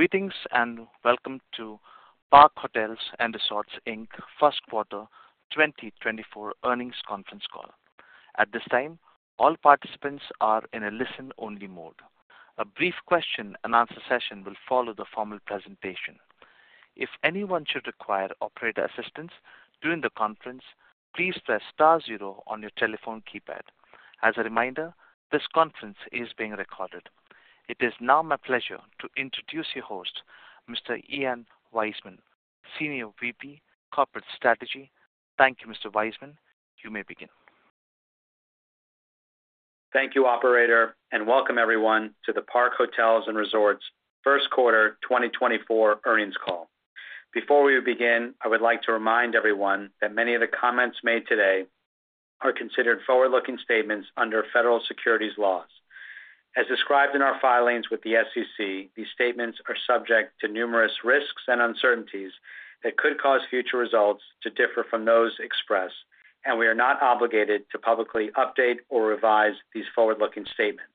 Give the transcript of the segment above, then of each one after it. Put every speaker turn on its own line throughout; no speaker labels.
Greetings, and welcome to Park Hotels & Resorts, Inc First Quarter 2024 Earnings Conference Call. At this time, all participants are in a listen-only mode. A brief question-and-answer session will follow the formal presentation. If anyone should require operator assistance during the conference, please press star zero on your telephone keypad. As a reminder, this conference is being recorded. It is now my pleasure to introduce your host, Mr. Ian Weissman, Senior VP, Corporate Strategy. Thank you, Mr. Weissman. You may begin.
Thank you, operator, and welcome everyone to the Park Hotels and Resorts first quarter 2024 earnings call. Before we begin, I would like to remind everyone that many of the comments made today are considered forward-looking statements under federal securities laws. As described in our filings with the SEC, these statements are subject to numerous risks and uncertainties that could cause future results to differ from those expressed, and we are not obligated to publicly update or revise these forward-looking statements.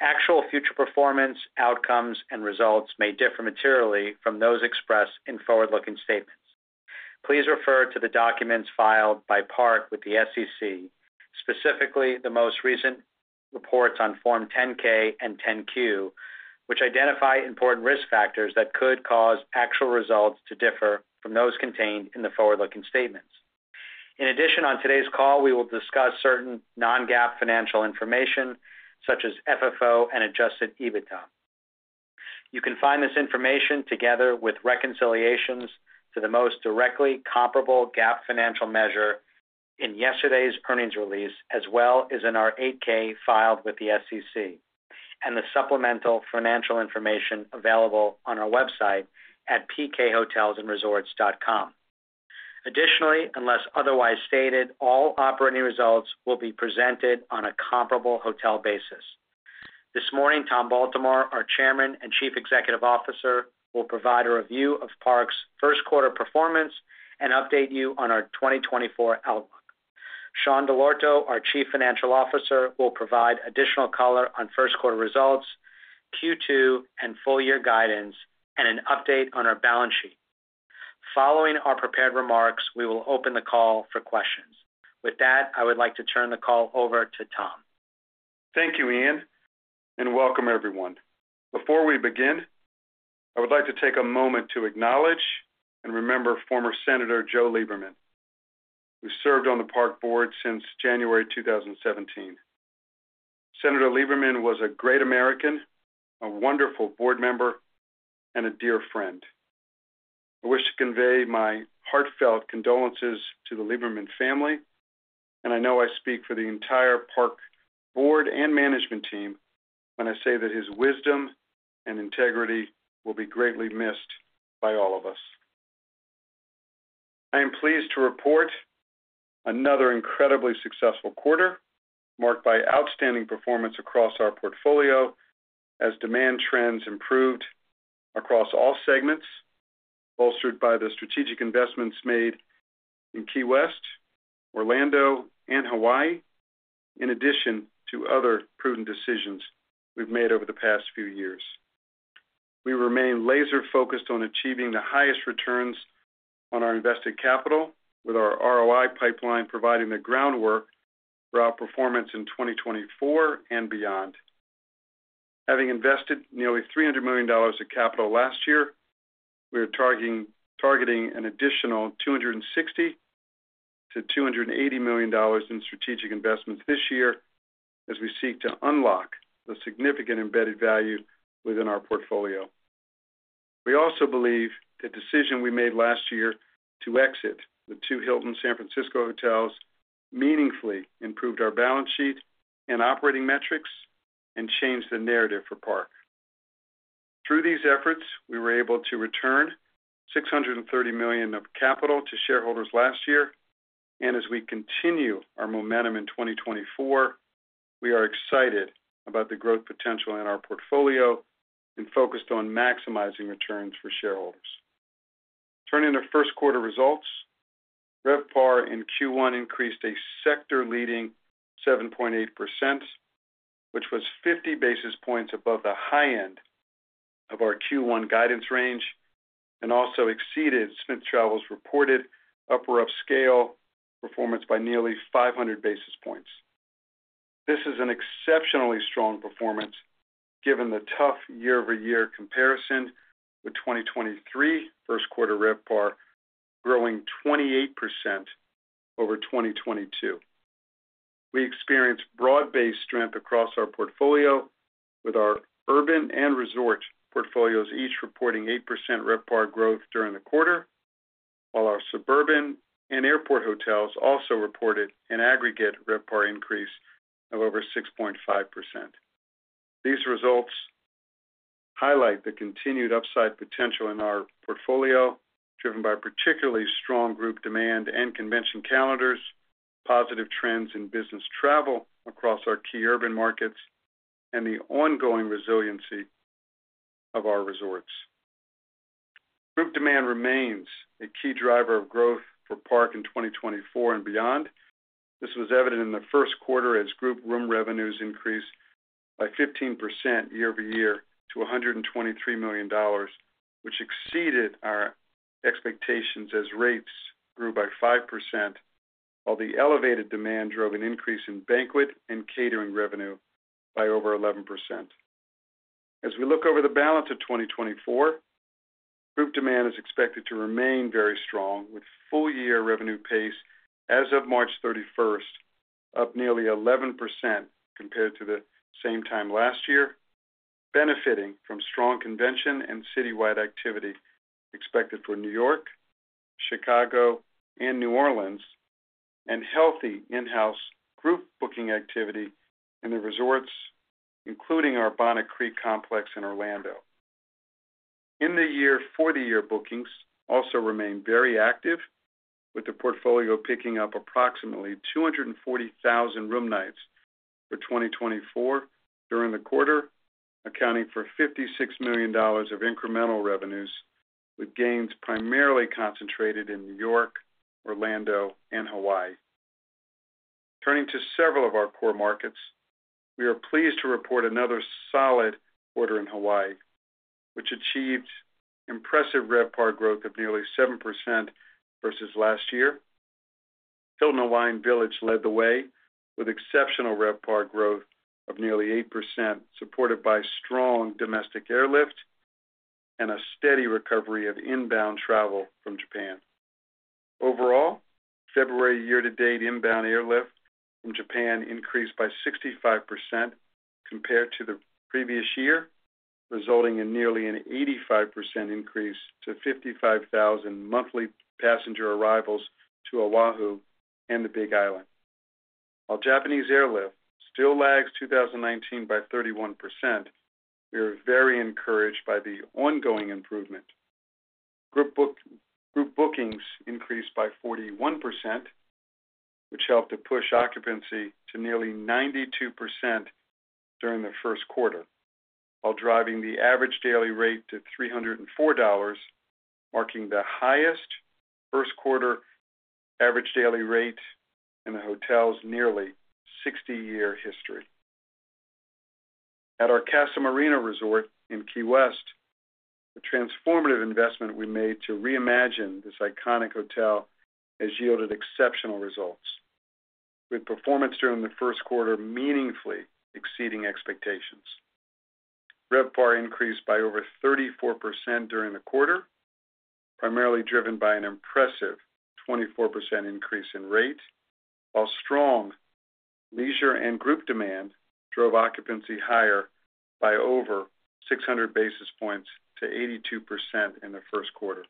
Actual future performance, outcomes, and results may differ materially from those expressed in forward-looking statements. Please refer to the documents filed by Park with the SEC, specifically the most recent reports on Form 10-K and 10-Q, which identify important risk factors that could cause actual results to differ from those contained in the forward-looking statements. In addition, on today's call, we will discuss certain non-GAAP financial information, such as FFO and Adjusted EBITDA. You can find this information, together with reconciliations to the most directly comparable GAAP financial measure in yesterday's earnings release, as well as in our 8-K filed with the SEC and the supplemental financial information available on our website at pkhotelsandresorts.com. Additionally, unless otherwise stated, all operating results will be presented on a comparable hotel basis. This morning, Tom Baltimore, our Chairman and Chief Executive Officer, will provide a review of Park's first quarter performance and update you on our 2024 outlook. Sean Dell'Orto, our Chief Financial Officer, will provide additional color on first quarter results, Q2 and full year guidance, and an update on our balance sheet. Following our prepared remarks, we will open the call for questions. With that, I would like to turn the call over to Tom.
Thank you, Ian, and welcome everyone. Before we begin, I would like to take a moment to acknowledge and remember former Senator Joe Lieberman, who served on the Park Board since January 2017. Senator Lieberman was a great American, a wonderful board member, and a dear friend. I wish to convey my heartfelt condolences to the Lieberman family, and I know I speak for the entire Park Board and management team when I say that his wisdom and integrity will be greatly missed by all of us. I am pleased to report another incredibly successful quarter, marked by outstanding performance across our portfolio as demand trends improved across all segments, bolstered by the strategic investments made in Key West, Orlando, and Hawaii, in addition to other prudent decisions we've made over the past few years. We remain laser focused on achieving the highest returns on our invested capital, with our ROI pipeline providing the groundwork for our performance in 2024 and beyond. Having invested nearly $300 million of capital last year, we are targeting an additional $260 million-$280 million in strategic investments this year as we seek to unlock the significant embedded value within our portfolio. We also believe the decision we made last year to exit the two Hilton San Francisco hotels meaningfully improved our balance sheet and operating metrics and changed the narrative for Park. Through these efforts, we were able to return $630 million of capital to shareholders last year, and as we continue our momentum in 2024, we are excited about the growth potential in our portfolio and focused on maximizing returns for shareholders. Turning to first quarter results, RevPAR in Q1 increased a sector-leading 7.8%, which was 50 basis points above the high end of our Q1 guidance range and also exceeded Smith Travel's reported upper upscale performance by nearly 500 basis points. This is an exceptionally strong performance given the tough year-over-year comparison with 2023 first quarter RevPAR growing 28% over 2022. We experienced broad-based strength across our portfolio, with our urban and resort portfolios each reporting 8% RevPAR growth during the quarter, while our suburban and airport hotels also reported an aggregate RevPAR increase of over 6.5%. These results highlight the continued upside potential in our portfolio, driven by particularly strong group demand and convention calendars, positive trends in business travel across our key urban markets, and the ongoing resiliency of our resorts.... Group demand remains a key driver of growth for Park in 2024 and beyond. This was evident in the first quarter as group room revenues increased by 15% year-over-year to $123 million, which exceeded our expectations as rates grew by 5%, while the elevated demand drove an increase in banquet and catering revenue by over 11%. As we look over the balance of 2024, group demand is expected to remain very strong, with full year revenue pace as of March 31, up nearly 11% compared to the same time last year, benefiting from strong convention and citywide activity expected for New York, Chicago, and New Orleans, and healthy in-house group booking activity in the resorts, including our Bonnet Creek complex in Orlando. Group bookings also remained very active, with the portfolio picking up approximately 240,000 room nights for 2024 during the quarter, accounting for $56 million of incremental revenues, with gains primarily concentrated in New York, Orlando, and Hawaii. Turning to several of our core markets, we are pleased to report another solid quarter in Hawaii, which achieved impressive RevPAR growth of nearly 7% versus last year. Hilton Hawaiian Village led the way with exceptional RevPAR growth of nearly 8%, supported by strong domestic airlift and a steady recovery of inbound travel from Japan. Overall, February year-to-date inbound airlift from Japan increased by 65% compared to the previous year, resulting in nearly an 85% increase to 55,000 monthly passenger arrivals to Oahu and the Big Island. While Japanese airlift still lags 2019 by 31%, we are very encouraged by the ongoing improvement. Group bookings increased by 41%, which helped to push occupancy to nearly 92% during the first quarter, while driving the average daily rate to $304, marking the highest first quarter average daily rate in the hotel's nearly 60-year history. At our Casa Marina Resort in Key West, the transformative investment we made to reimagine this iconic hotel has yielded exceptional results, with performance during the first quarter meaningfully exceeding expectations. RevPAR increased by over 34% during the quarter, primarily driven by an impressive 24% increase in rate, while strong leisure and group demand drove occupancy higher by over 600 basis points to 82% in the first quarter.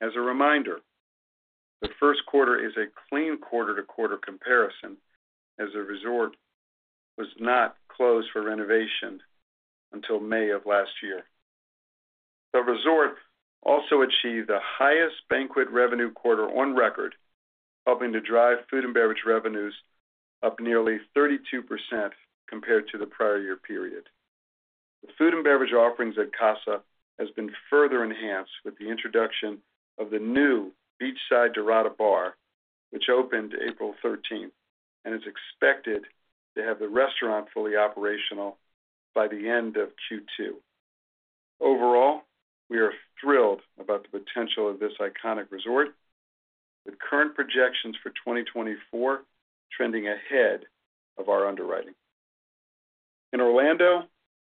As a reminder, the first quarter is a clean quarter-to-quarter comparison as the resort was not closed for renovation until May of last year. The resort also achieved the highest banquet revenue quarter on record, helping to drive food and beverage revenues up nearly 32% compared to the prior year period. The food and beverage offerings at Casa has been further enhanced with the introduction of the new beachside Dorada bar, which opened April 13th, and is expected to have the restaurant fully operational by the end of Q2. Overall, we are thrilled about the potential of this iconic resort, with current projections for 2024 trending ahead of our underwriting. In Orlando,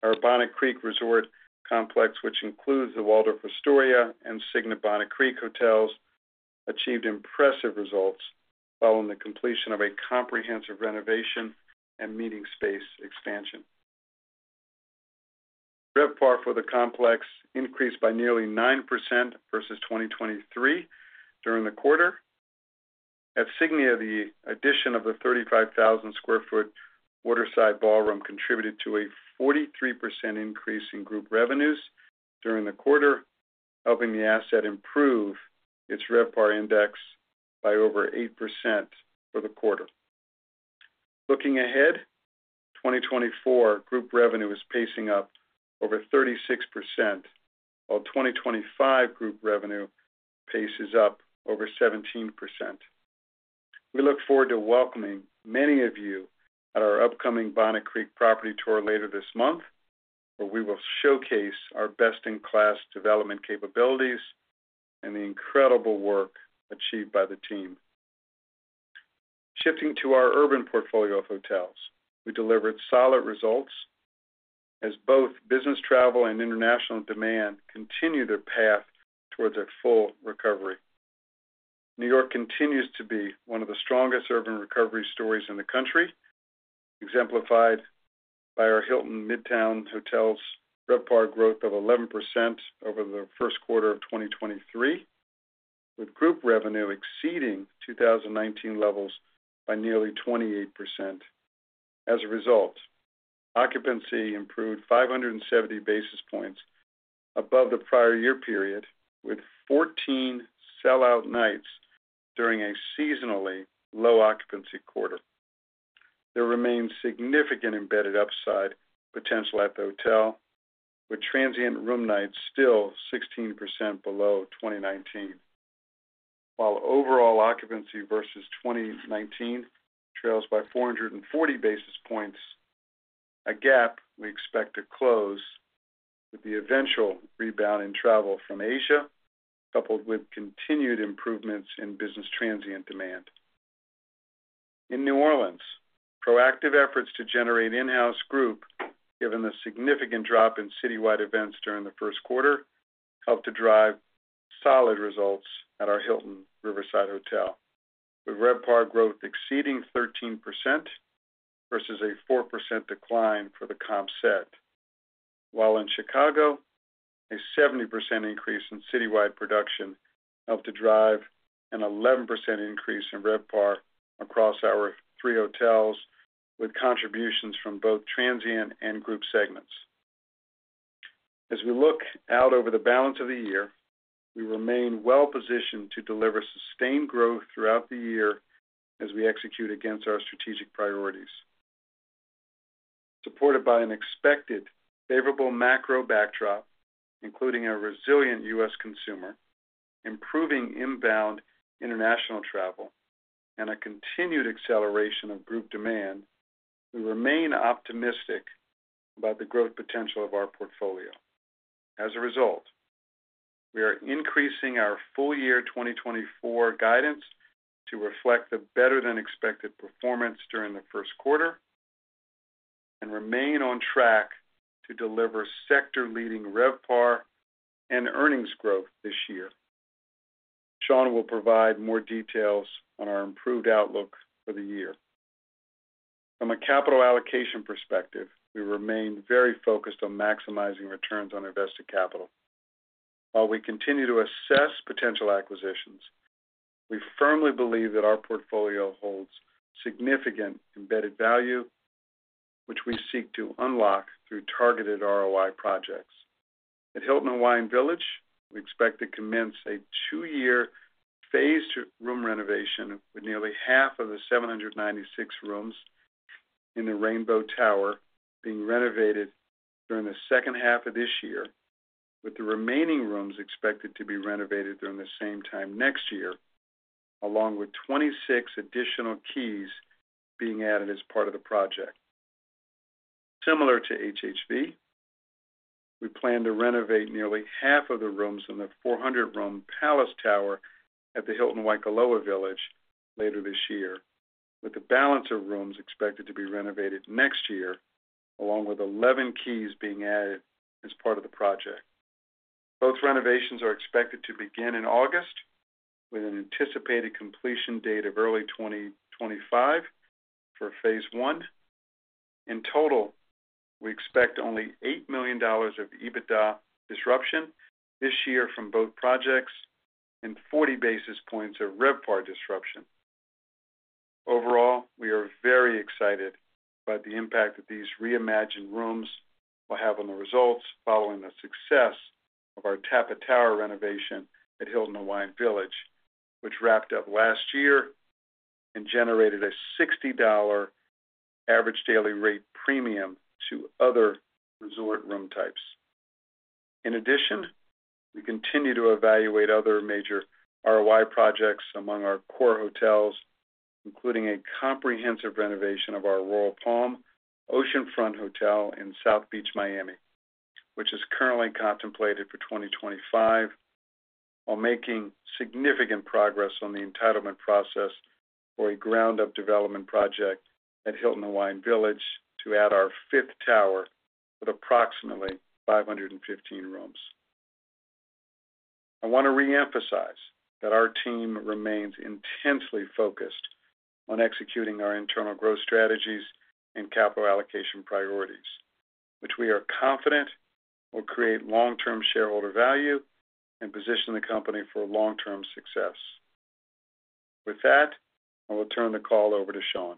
our Bonnet Creek Resort complex, which includes the Waldorf Astoria and Signia Bonnet Creek hotels, achieved impressive results following the completion of a comprehensive renovation and meeting space expansion. RevPAR for the complex increased by nearly 9% versus 2023 during the quarter. At Signia, the addition of the 35,000 sq ft Waterside Ballroom contributed to a 43% increase in group revenues during the quarter, helping the asset improve its RevPAR index by over 8% for the quarter. Looking ahead, 2024 group revenue is pacing up over 36%, while 2025 group revenue paces up over 17%. We look forward to welcoming many of you at our upcoming Bonnet Creek property tour later this month, where we will showcase our best-in-class development capabilities and the incredible work achieved by the team. Shifting to our urban portfolio of hotels, we delivered solid results as both business travel and international demand continue their path towards a full recovery. New York continues to be one of the strongest urban recovery stories in the country, exemplified by our New York Hilton Midtown's RevPAR growth of 11% over the first quarter of 2023, with group revenue exceeding 2019 levels by nearly 28%. As a result, occupancy improved 570 basis points above the prior year period, with 14 sellout nights during a seasonally low occupancy quarter. There remains significant embedded upside potential at the hotel, with transient room nights still 16% below 2019. While overall occupancy versus 2019 trails by 440 basis points, a gap we expect to close with the eventual rebound in travel from Asia, coupled with continued improvements in business transient demand. In New Orleans, proactive efforts to generate in-house group, given the significant drop in citywide events during the first quarter, helped to drive solid results at our Hilton New Orleans Riverside, with RevPAR growth exceeding 13% versus a 4% decline for the comp set, while in Chicago, a 70% increase in citywide production helped to drive an 11% increase in RevPAR across our three hotels, with contributions from both transient and group segments. As we look out over the balance of the year, we remain well positioned to deliver sustained growth throughout the year as we execute against our strategic priorities. Supported by an expected favorable macro backdrop, including a resilient U.S. consumer, improving inbound international travel, and a continued acceleration of group demand, we remain optimistic about the growth potential of our portfolio. As a result, we are increasing our full year 2024 guidance to reflect the better-than-expected performance during the first quarter and remain on track to deliver sector-leading RevPAR and earnings growth this year. Sean will provide more details on our improved outlook for the year. From a capital allocation perspective, we remain very focused on maximizing returns on invested capital. While we continue to assess potential acquisitions, we firmly believe that our portfolio holds significant embedded value, which we seek to unlock through targeted ROI projects. At Hilton Hawaiian Village, we expect to commence a two-year phased room renovation, with nearly half of the 796 rooms in the Rainbow Tower being renovated during the second half of this year, with the remaining rooms expected to be renovated during the same time next year, along with 26 additional keys being added as part of the project. Similar to HHV, we plan to renovate nearly half of the rooms in the 400-room Palace Tower at the Hilton Waikoloa Village later this year, with the balance of rooms expected to be renovated next year, along with 11 keys being added as part of the project. Both renovations are expected to begin in August, with an anticipated completion date of early 2025 for phase one. In total, we expect only $8 million of EBITDA disruption this year from both projects and 40 basis points of RevPAR disruption. Overall, we are very excited about the impact that these reimagined rooms will have on the results following the success of our Tapa Tower renovation at Hilton Hawaiian Village, which wrapped up last year and generated a $60 average daily rate premium to other resort room types. In addition, we continue to evaluate other major ROI projects among our core hotels, including a comprehensive renovation of our Royal Palm Oceanfront Hotel in South Beach, Miami, which is currently contemplated for 2025, while making significant progress on the entitlement process for a ground-up development project at Hilton Hawaiian Village to add our fifth tower with approximately 515 rooms. I want to reemphasize that our team remains intensely focused on executing our internal growth strategies and capital allocation priorities, which we are confident will create long-term shareholder value and position the company for long-term success. With that, I will turn the call over to Sean.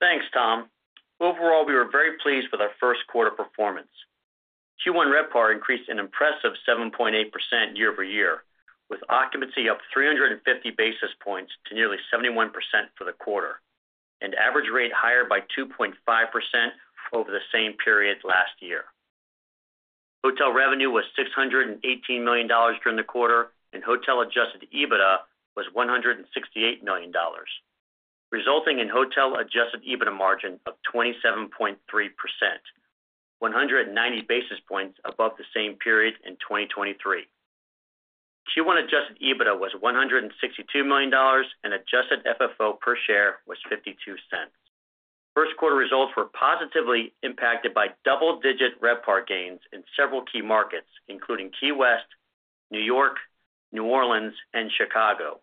Thanks, Tom. Overall, we were very pleased with our first quarter performance. Q1 RevPAR increased an impressive 7.8% year-over-year, with occupancy up 350 basis points to nearly 71% for the quarter, and average rate higher by 2.5% over the same period last year. Hotel revenue was $618 million during the quarter, and hotel Adjusted EBITDA was $168 million, resulting in hotel Adjusted EBITDA margin of 27.3%, 190 basis points above the same period in 2023. Q1 Adjusted EBITDA was $162 million, and Adjusted FFO per share was $0.52. First quarter results were positively impacted by double-digit RevPAR gains in several key markets, including Key West, New York, New Orleans, and Chicago,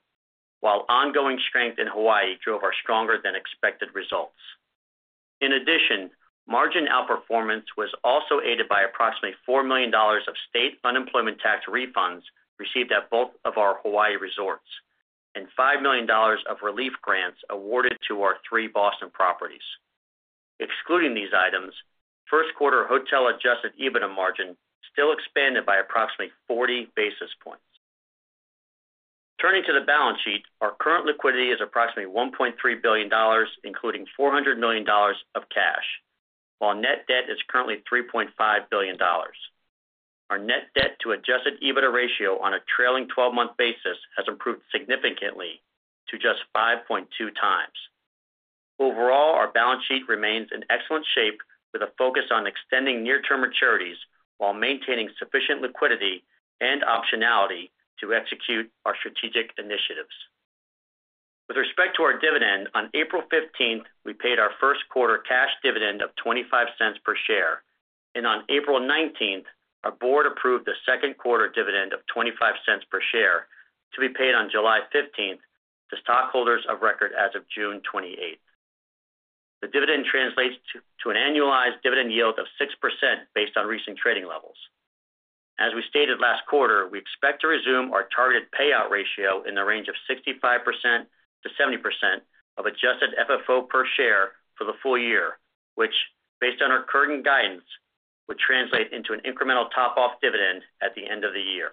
while ongoing strength in Hawaii drove our stronger than expected results. In addition, margin outperformance was also aided by approximately $4 million of state unemployment tax refunds received at both of our Hawaii resorts and $5 million of relief grants awarded to our three Boston properties. Excluding these items, first quarter hotel Adjusted EBITDA margin still expanded by approximately 40 basis points.... Turning to the balance sheet, our current liquidity is approximately $1.3 billion, including $400 million of cash, while net debt is currently $3.5 billion. Our net debt to Adjusted EBITDA ratio on a trailing twelve-month basis has improved significantly to just 5.2x. Overall, our balance sheet remains in excellent shape, with a focus on extending near-term maturities while maintaining sufficient liquidity and optionality to execute our strategic initiatives. With respect to our dividend, on April 15th, we paid our first quarter cash dividend of $0.25 per share, and on April 19th, our board approved a second quarter dividend of $0.25 per share to be paid on July 15th to stockholders of record as of June 28th. The dividend translates to an annualized dividend yield of 6% based on recent trading levels. As we stated last quarter, we expect to resume our targeted payout ratio in the range of 65%-70% of Adjusted FFO per share for the full year, which, based on our current guidance, would translate into an incremental top-off dividend at the end of the year.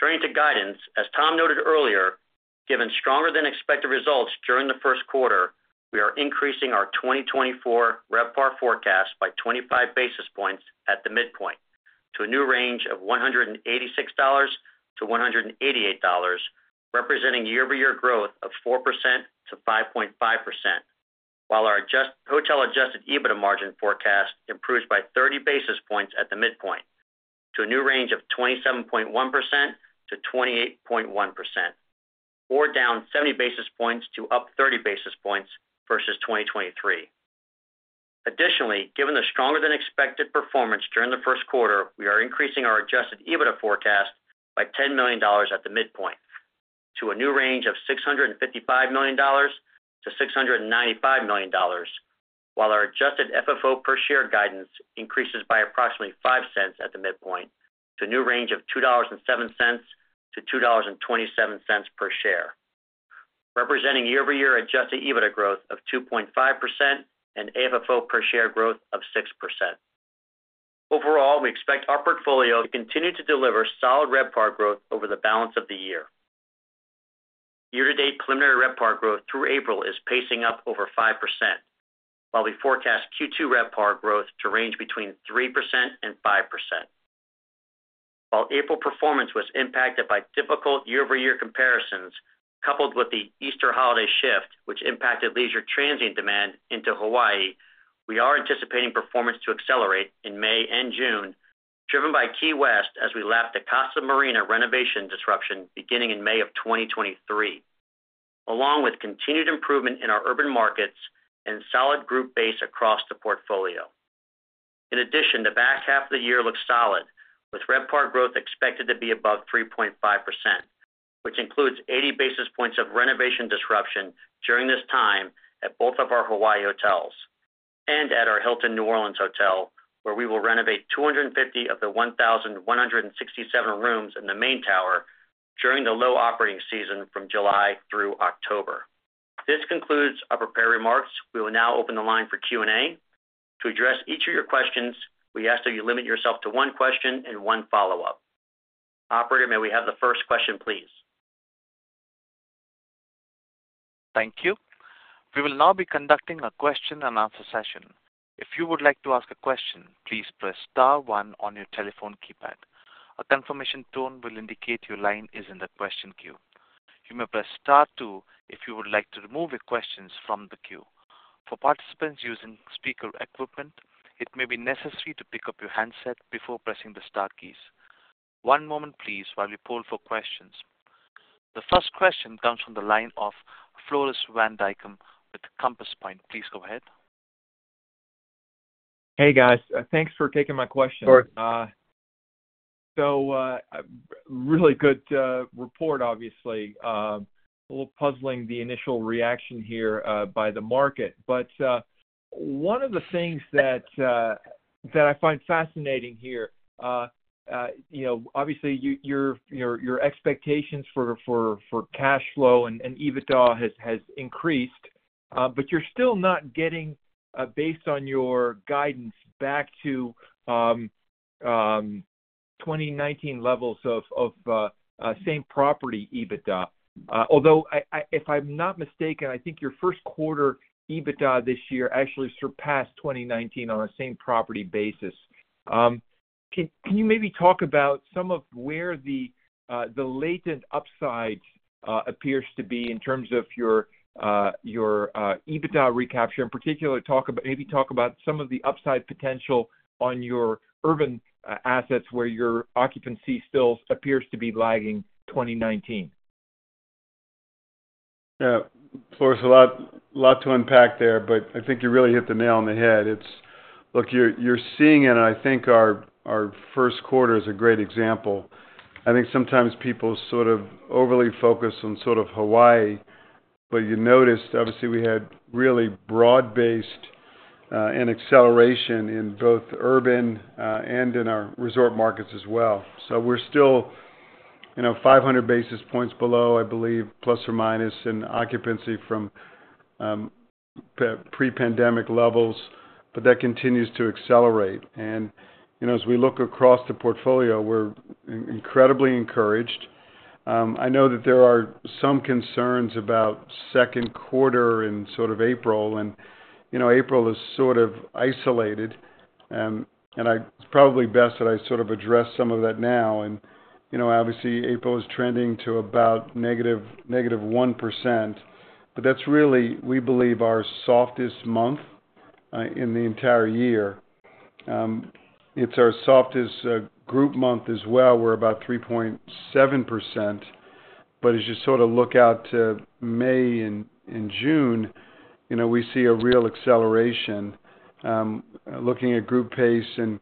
Turning to guidance, as Tom noted earlier, given stronger than expected results during the first quarter, we are increasing our 2024 RevPAR forecast by 25 basis points at the midpoint to a new range of $186-$188, representing year-over-year growth of 4%-5.5%. While our hotel Adjusted EBITDA margin forecast improves by 30 basis points at the midpoint to a new range of 27.1%-28.1%, or down 70 basis points to up 30 basis points versus 2023. Additionally, given the stronger than expected performance during the first quarter, we are increasing our Adjusted EBITDA forecast by $10 million at the midpoint to a new range of $655 million-$695 million, while our Adjusted FFO per share guidance increases by approximately $0.05 at the midpoint to a new range of $2.07-$2.27 per share, representing year-over-year Adjusted EBITDA growth of 2.5% and AFFO per share growth of 6%. Overall, we expect our portfolio to continue to deliver solid RevPAR growth over the balance of the year. Year-to-date, preliminary RevPAR growth through April is pacing up over 5%, while we forecast Q2 RevPAR growth to range between 3% and 5%. While April performance was impacted by difficult year-over-year comparisons, coupled with the Easter holiday shift, which impacted leisure transient demand into Hawaii, we are anticipating performance to accelerate in May and June, driven by Key West as we left the Casa Marina renovation disruption beginning in May of 2023, along with continued improvement in our urban markets and solid group base across the portfolio. In addition, the back half of the year looks solid, with RevPAR growth expected to be above 3.5%, which includes 80 basis points of renovation disruption during this time at both of our Hawaii hotels and at our Hilton New Orleans Hotel, where we will renovate 250 of the 1,167 rooms in the main tower during the low operating season from July through October. This concludes our prepared remarks. We will now open the line for Q&A. To address each of your questions, we ask that you limit yourself to one question and one follow-up. Operator, may we have the first question, please?
Thank you. We will now be conducting a question and answer session. If you would like to ask a question, please press star one on your telephone keypad. A confirmation tone will indicate your line is in the question queue. You may press star two if you would like to remove your questions from the queue. For participants using speaker equipment, it may be necessary to pick up your handset before pressing the star keys. One moment please while we poll for questions. The first question comes from the line of Floris van Dijkum with Compass Point. Please go ahead.
Hey, guys. Thanks for taking my question.
Sure.
So, a really good report, obviously. A little puzzling, the initial reaction here by the market. But one of the things that I find fascinating here, you know, obviously, your expectations for cash flow and EBITDA has increased, but you're still not getting, based on your guidance, back to 2019 levels of same property EBITDA. Although if I'm not mistaken, I think your first quarter EBITDA this year actually surpassed 2019 on a same property basis. Can you maybe talk about some of where the latent upside appears to be in terms of your EBITDA recapture? In particular, talk about, maybe talk about some of the upside potential on your urban assets, where your occupancy still appears to be lagging 2019.
Yeah. Floris, a lot, a lot to unpack there, but I think you really hit the nail on the head. It's. Look, you're, you're seeing it, and I think our, our first quarter is a great example. I think sometimes people sort of overly focus on sort of Hawaii, but you noticed, obviously, we had really broad-based and acceleration in both urban and in our resort markets as well. So we're still, you know, 500 basis points below, I believe, plus or minus, in occupancy from...... pre-pandemic levels, but that continues to accelerate. You know, as we look across the portfolio, we're incredibly encouraged. I know that there are some concerns about second quarter and sort of April and, you know, April is sort of isolated, and it's probably best that I sort of address some of that now. You know, obviously, April is trending to about -1%, but that's really, we believe, our softest month in the entire year. It's our softest group month as well, we're about 3.7%. But as you sort of look out to May and June, you know, we see a real acceleration. Looking at group pace in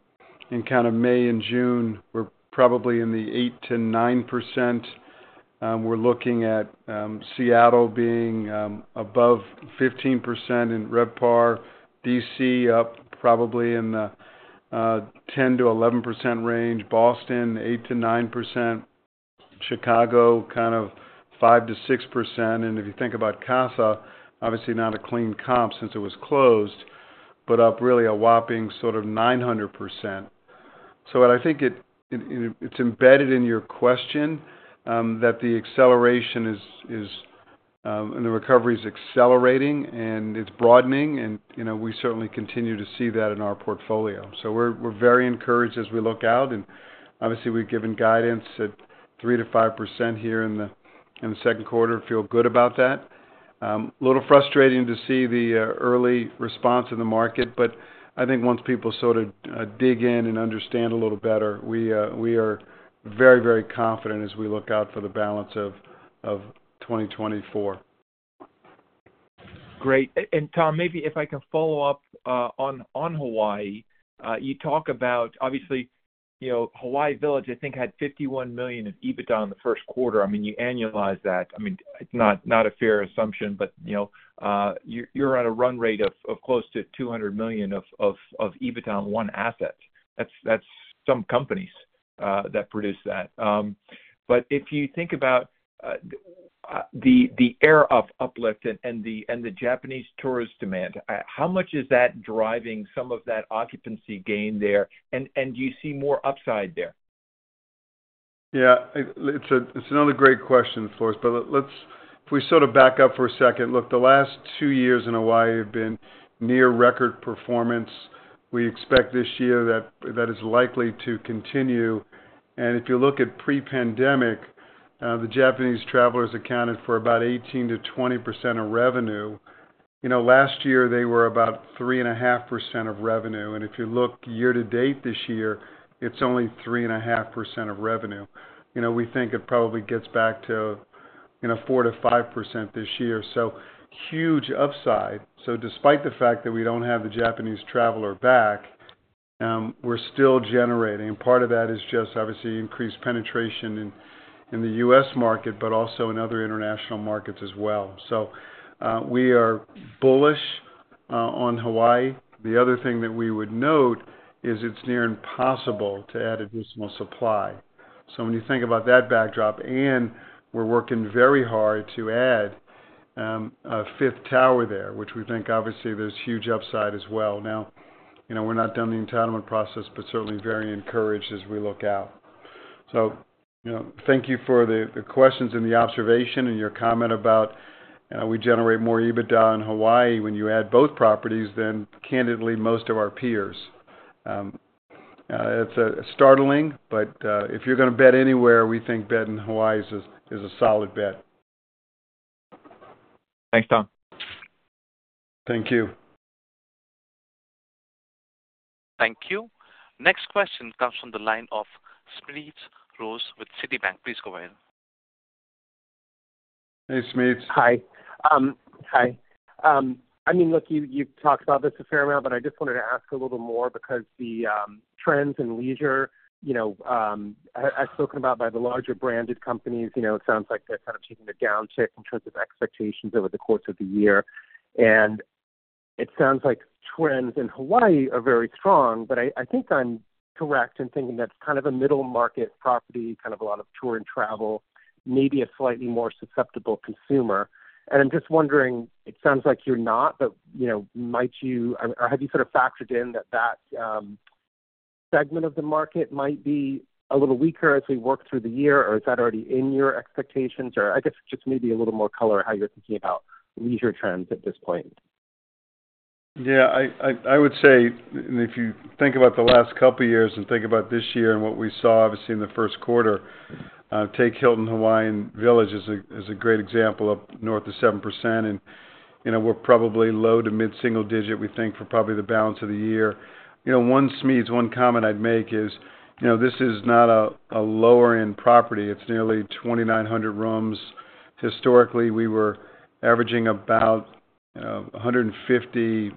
kind of May and June, we're probably in the 8%-9%. We're looking at Seattle being above 15% in RevPAR. D.C., up probably in the 10%-11% range. Boston, 8%-9%. Chicago, kind of 5%-6%. And if you think about Casa, obviously not a clean comp since it was closed, but up really a whopping sort of 900%. So I think it's embedded in your question that the acceleration is and the recovery is accelerating, and it's broadening, and, you know, we certainly continue to see that in our portfolio. So we're very encouraged as we look out. And obviously, we've given guidance at 3%-5% here in the second quarter. Feel good about that. A little frustrating to see the early response in the market, but I think once people sort of dig in and understand a little better, we are very, very confident as we look out for the balance of 2024.
Great. And, Tom, maybe if I can follow up on Hawaii. You talk about obviously, you know, Hawaii Village, I think, had $51 million in EBITDA in the first quarter. I mean, you annualize that. I mean, it's not a fair assumption, but, you know, you're on a run rate of close to $200 million of EBITDA on one asset. That's some companies that produce that. But if you think about the uplift and the Japanese tourist demand, how much is that driving some of that occupancy gain there? And do you see more upside there?
Yeah, it's a, it's another great question, Floris. But let's if we sort of back up for a second. Look, the last two years in Hawaii have been near record performance. We expect this year that, that is likely to continue. And if you look at pre-pandemic, the Japanese travelers accounted for about 18%-20% of revenue. You know, last year, they were about 3.5% of revenue, and if you look year to date this year, it's only 3.5% of revenue. You know, we think it probably gets back to, you know, 4%-5% this year. So huge upside. So despite the fact that we don't have the Japanese traveler back, we're still generating, and part of that is just, obviously, increased penetration in, in the US market, but also in other international markets as well. So, we are bullish on Hawaii. The other thing that we would note is it's near impossible to add additional supply. So when you think about that backdrop, and we're working very hard to add a fifth tower there, which we think obviously there's huge upside as well. Now, you know, we're not done the entitlement process, but certainly very encouraged as we look out. So, you know, thank you for the questions and the observation and your comment about we generate more EBITDA in Hawaii when you add both properties than, candidly, most of our peers. It's startling, but if you're going to bet anywhere, we think betting Hawaii is a solid bet.
Thanks, Tom.
Thank you.
Thank you. Next question comes from the line of Smedes Rose with Citibank. Please go ahead.
Hey, Smedes.
Hi. I mean, look, you've talked about this a fair amount, but I just wanted to ask a little more because the trends in leisure, you know, as spoken about by the larger branded companies, you know, it sounds like they're kind of taking a downtick in terms of expectations over the course of the year. And it sounds like trends in Hawaii are very strong, but I think I'm correct in thinking that's kind of a middle market property, kind of a lot of tour and travel, maybe a slightly more susceptible consumer. And I'm just wondering, it sounds like you're not, but, you know, might you... Or have you sort of factored in that segment of the market might be a little weaker as we work through the year, or is that already in your expectations? I guess just maybe a little more color on how you're thinking about leisure trends at this point.
Yeah, I would say, and if you think about the last couple of years and think about this year and what we saw, obviously, in the first quarter, take Hilton Hawaiian Village as a great example, up north of 7%, and, you know, we're probably low- to mid-single-digit, we think, for probably the balance of the year. You know, one Smedes, one comment I'd make is, you know, this is not a lower-end property. It's nearly 2,900 rooms. Historically, we were averaging about 150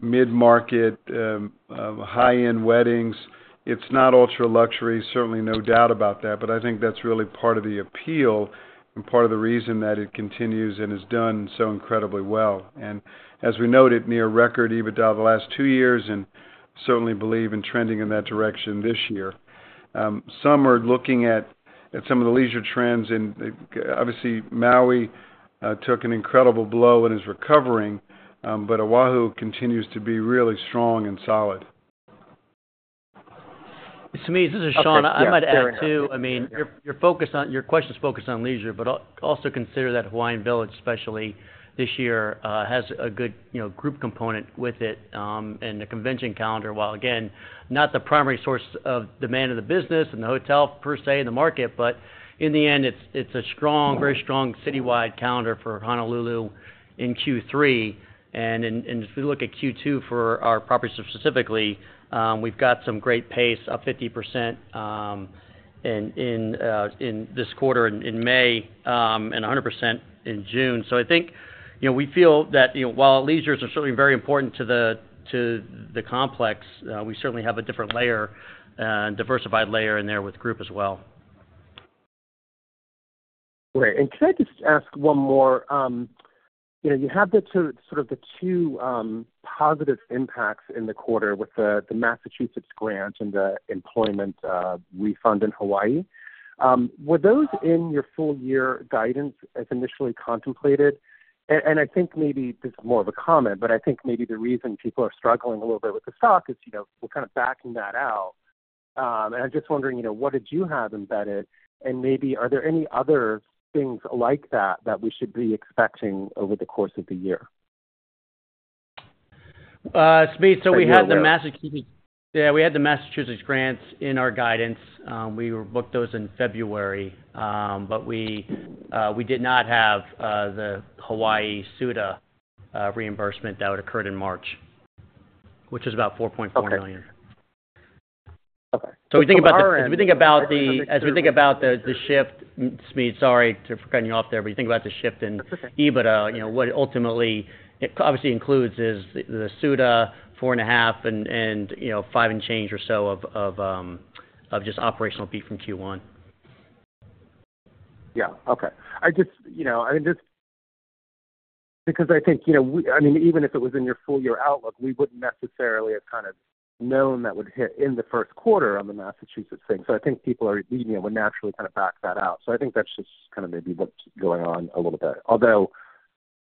mid-market high-end weddings. It's not ultra-luxury, certainly no doubt about that, but I think that's really part of the appeal and part of the reason that it continues and has done so incredibly well. And-... As we noted, near record EBITDA the last two years, and certainly believe in trending in that direction this year. Some are looking at some of the leisure trends, and, obviously, Maui took an incredible blow and is recovering, but Oahu continues to be really strong and solid.
Smedes, this is Sean. I might add, too, I mean, your focus on—your question is focused on leisure, but also consider that Hawaiian Village, especially this year, has a good, you know, group component with it, and the convention calendar, while again, not the primary source of demand of the business and the hotel per se in the market, but in the end, it's a strong, very strong citywide calendar for Honolulu in Q3. And if we look at Q2 for our properties specifically, we've got some great pace, up 50%, in this quarter in May, and 100% in June. I think, you know, we feel that, you know, while leisure is certainly very important to the complex, we certainly have a different layer and diversified layer in there with group as well.
Great. And can I just ask one more? You know, you have the two, sort of, the two, positive impacts in the quarter with the, the Massachusetts grant and the employment, refund in Hawaii. Were those in your full year guidance as initially contemplated? And, and I think maybe this is more of a comment, but I think maybe the reason people are struggling a little bit with the stock is, you know, we're kind of backing that out. And I'm just wondering, you know, what did you have embedded? And maybe are there any other things like that, that we should be expecting over the course of the year?
Smedes, so we had the Massachusetts grants in our guidance. We booked those in February, but we did not have the Hawaii SUTA reimbursement that occurred in March, which is about $4.4 million.
Okay.
So we think about the shift, Smedes, sorry for cutting you off there, but you think about the shift in-
That's okay.
EBITDA, you know, what ultimately, it obviously includes is the, the SUTA $4.5 and, and, you know, $5 and change or so of, of, just operational FFO from Q1.
Yeah. Okay. I just, you know, I mean, just... Because I think, you know, we, I mean, even if it was in your full year outlook, we wouldn't necessarily have kind of known that would hit in the first quarter on the Massachusetts thing. So I think people are, you know, would naturally kind of back that out. So I think that's just kind of maybe what's going on a little bit. Although,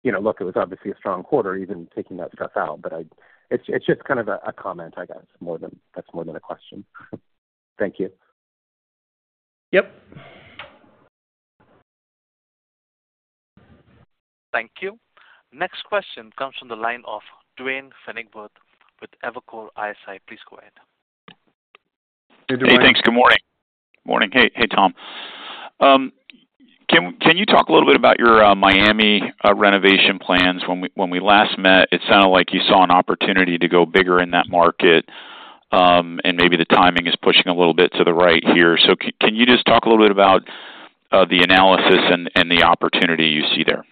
you know, look, it was obviously a strong quarter, even taking that stuff out. But I... It's, it's just kind of a, a comment, I guess, more than, that's more than a question. Thank you.
Yep.
Thank you. Next question comes from the line of Duane Pfennigwerth with Evercore ISI. Please go ahead.
Hey, Duane.
Hey, thanks. Good morning. Morning. Hey, hey, Tom. Can you talk a little bit about your Miami renovation plans? When we last met, it sounded like you saw an opportunity to go bigger in that market, and maybe the timing is pushing a little bit to the right here. So can you just talk a little bit about the analysis and the opportunity you see there?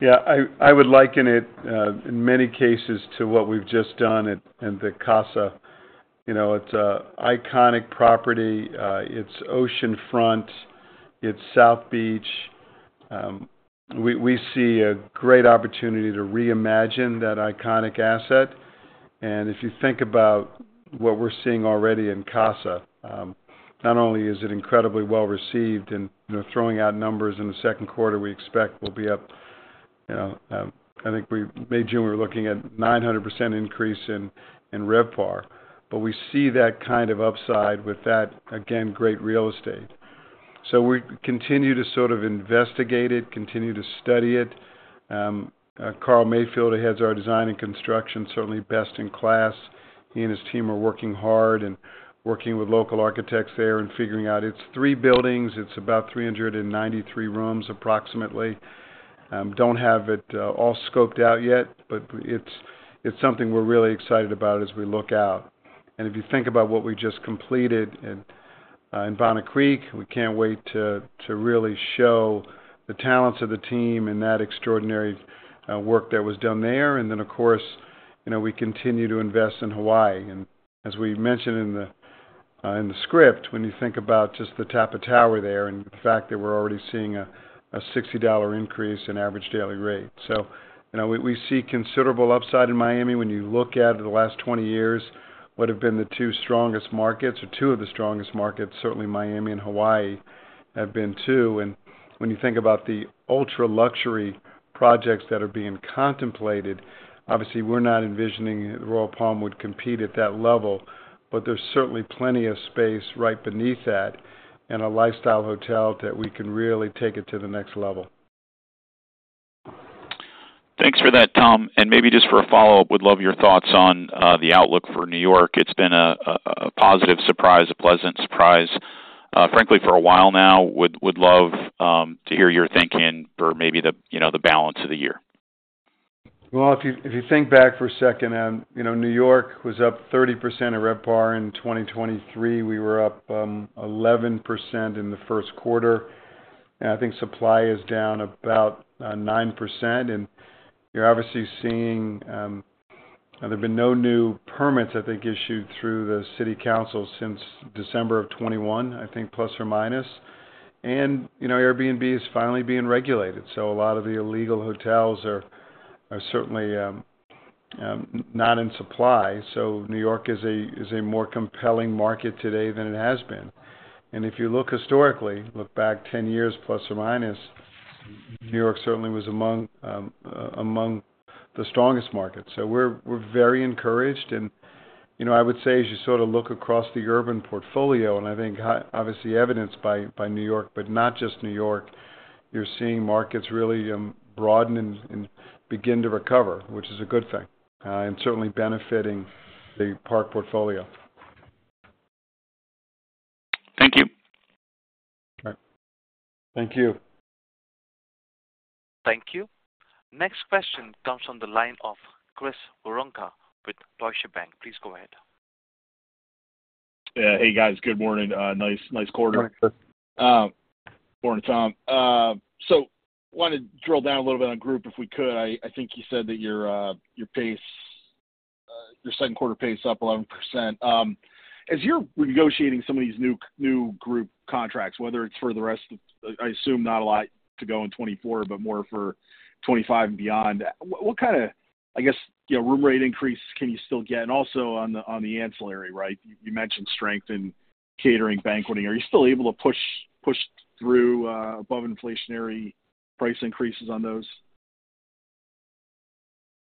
Yeah, I would liken it in many cases to what we've just done at in the Casa. You know, it's a iconic property. It's oceanfront, it's South Beach. We see a great opportunity to reimagine that iconic asset. And if you think about what we're seeing already in Casa, not only is it incredibly well received and, you know, throwing out numbers in the second quarter, we expect will be up, you know, I think we May, June, we're looking at 900% increase in RevPAR, but we see that kind of upside with that, again, great real estate. So we continue to sort of investigate it, continue to study it. Carl Mayfield, who heads our design and construction, certainly best in class. He and his team are working hard and working with local architects there and figuring out... It's three buildings. It's about 393 rooms, approximately. Don't have it all scoped out yet, but it's something we're really excited about as we look out. And if you think about what we just completed in Bonnet Creek, we can't wait to really show the talents of the team and that extraordinary work that was done there. And then, of course, you know, we continue to invest in Hawaii. And as we mentioned in the script, when you think about just the Tapa Tower there, and the fact that we're already seeing a $60 increase in average daily rate. So you know, we see considerable upside in Miami when you look at the last 20 years, what have been the two strongest markets or two of the strongest markets, certainly Miami and Hawaii have been two. When you think about the ultra-luxury projects that are being contemplated, obviously, we're not envisioning Royal Palm would compete at that level, but there's certainly plenty of space right beneath that in a lifestyle hotel that we can really take it to the next level.
Thanks for that, Tom. And maybe just for a follow-up, would love your thoughts on the outlook for New York. It's been a positive surprise, a pleasant surprise, frankly, for a while now. Would love to hear your thinking for maybe the, you know, the balance of the year.
Well, if you think back for a second, you know, New York was up 30% at RevPAR in 2023. We were up 11% in the first quarter, and I think supply is down about 9%. And you're obviously seeing. And there have been no new permits, I think, issued through the city council since December of 2021, I think, plus or minus. And, you know, Airbnb is finally being regulated, so a lot of the illegal hotels are certainly not in supply. So New York is a more compelling market today than it has been. And if you look historically, look back 10 years, plus or minus, New York certainly was among the strongest markets. So we're very encouraged. You know, I would say, as you sort of look across the urban portfolio, and I think obviously evidenced by New York, but not just New York, you're seeing markets really broaden and begin to recover, which is a good thing, and certainly benefiting the Park portfolio.
Thank you.
All right. Thank you.
Thank you. Next question comes from the line of Chris Woronka with Deutsche Bank. Please go ahead.
Yeah. Hey, guys. Good morning. Nice, nice quarter.
Hi, Chris.
Morning, Tom. Wanted to drill down a little bit on group, if we could. I think you said that your pace, your second quarter pace up 11%. As you're negotiating some of these new group contracts, whether it's for the rest of - I assume not a lot to go in 2024, but more for 2025 and beyond. What kind of, I guess, you know, room rate increases can you still get? And also on the ancillary, right, you mentioned strength in catering, banqueting. Are you still able to push through above inflationary price increases on those?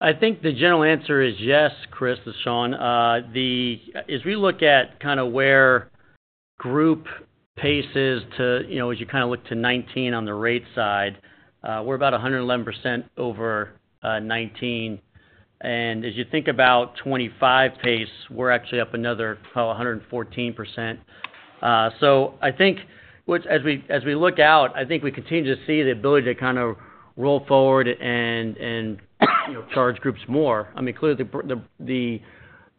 I think the general answer is yes, Chris, this is Sean. As we look at kind of where group pace is to, you know, as you kind of look to 2019 on the rate side, we're about 111% over 2019. And as you think about 2025 pace, we're actually up another 114%. So I think as we, as we look out, I think we continue to see the ability to kind of roll forward and, you know, charge groups more. I mean, clearly, the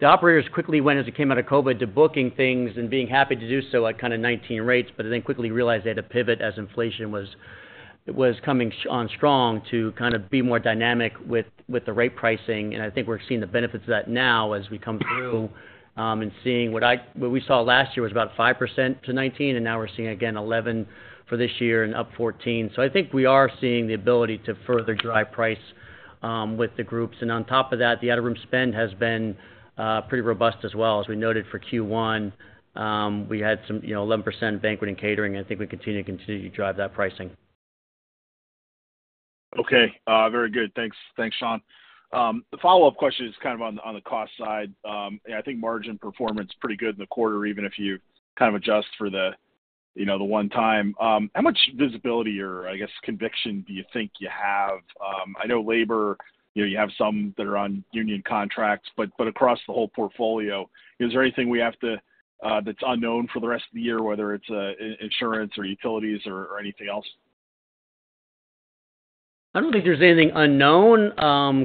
operators quickly went, as they came out of COVID, to booking things and being happy to do so at kind of 19 rates, but then quickly realized they had to pivot as inflation was coming on strong, to kind of be more dynamic with the rate pricing. And I think we're seeing the benefits of that now as we come through, and seeing what we saw last year was about 5%-19%, and now we're seeing, again, 11 for this year and up 14. So I think we are seeing the ability to further drive price with the groups. And on top of that, the out-of-room spend has been pretty robust as well. As we noted for Q1, we had some, you know, 11% banquet and catering, and I think we continue to continue to drive that pricing.
Okay, very good. Thanks. Thanks, Sean. The follow-up question is kind of on the, on the cost side. I think margin performance pretty good in the quarter, even if you kind of adjust for the, you know, the one time. How much visibility or, I guess, conviction do you think you have? I know labor, you know, you have some that are on union contracts, but across the whole portfolio, is there anything we have to, that's unknown for the rest of the year, whether it's insurance or utilities or anything else?
I don't think there's anything unknown.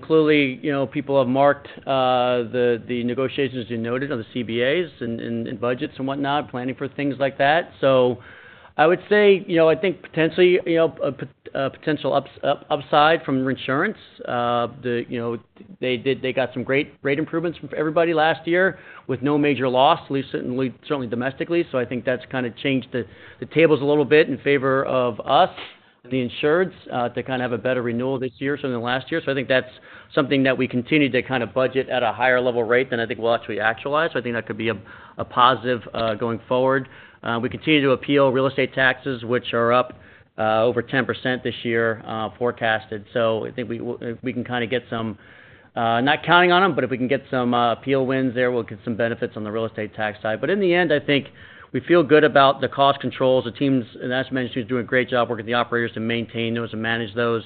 Clearly, you know, people have marked the negotiations you noted on the CBAs and budgets and whatnot, planning for things like that. So I would say, you know, I think potentially a potential upside from insurance. The, you know, they got some great rate improvements from everybody last year with no major loss, at least certainly domestically. So I think that's kind of changed the tables a little bit in favor of us, the insureds, to kind of have a better renewal this year so than last year. So I think that's something that we continue to kind of budget at a higher level rate than I think we'll actually actualize. So I think that could be a positive going forward. We continue to appeal real estate taxes, which are up over 10% this year, forecasted. So I think we can kind of get some, not counting on them, but if we can get some appeal wins there, we'll get some benefits on the real estate tax side. But in the end, I think we feel good about the cost controls. The teams and asset management is doing a great job working with the operators to maintain those and manage those.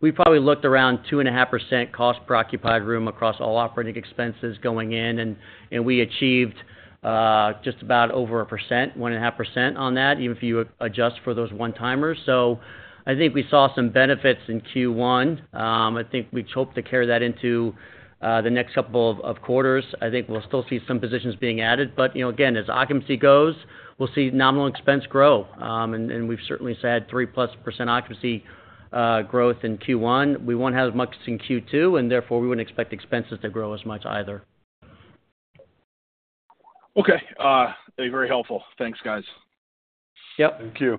We probably looked around 2.5% cost per occupied room across all operating expenses going in, and we achieved just about over a percent, 1.5% on that, even if you adjust for those one-timers. So I think we saw some benefits in Q1. I think we hope to carry that into the next couple of quarters. I think we'll still see some positions being added, but you know, again, as occupancy goes, we'll see nominal expense grow. And we've certainly had 3%+ occupancy growth in Q1. We won't have as much in Q2, and therefore, we wouldn't expect expenses to grow as much either.
Okay, very helpful. Thanks, guys.
Yep.
Thank you.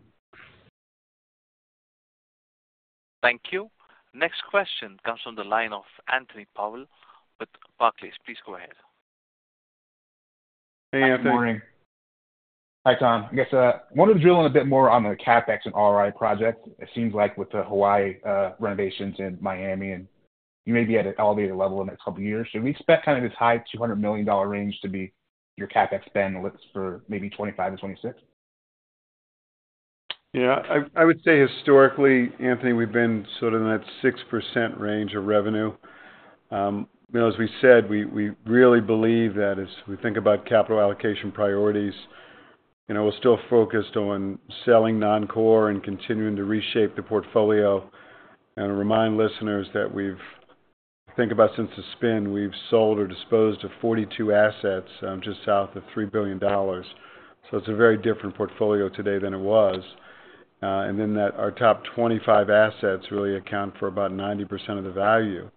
Thank you. Next question comes from the line of Anthony Powell with Barclays. Please go ahead. Hey, Anthony.
Good morning. Hi, Tom. I guess, wanted to drill in a bit more on the CapEx and ROI project. It seems like with the Hawaii, renovations in Miami, and you may be at an elevated level in the next couple years, should we expect kind of this high $200 million range to be your CapEx spend looks for maybe 2025 or 2026?
Yeah, I would say historically, Anthony, we've been sort of in that 6% range of revenue. You know, as we said, we really believe that as we think about capital allocation priorities, you know, we're still focused on selling non-core and continuing to reshape the portfolio. And I remind listeners that we've think about since the spin, we've sold or disposed of 42 assets, just south of $3 billion. So it's a very different portfolio today than it was. And then that our top 25 assets really account for about 90% of the value.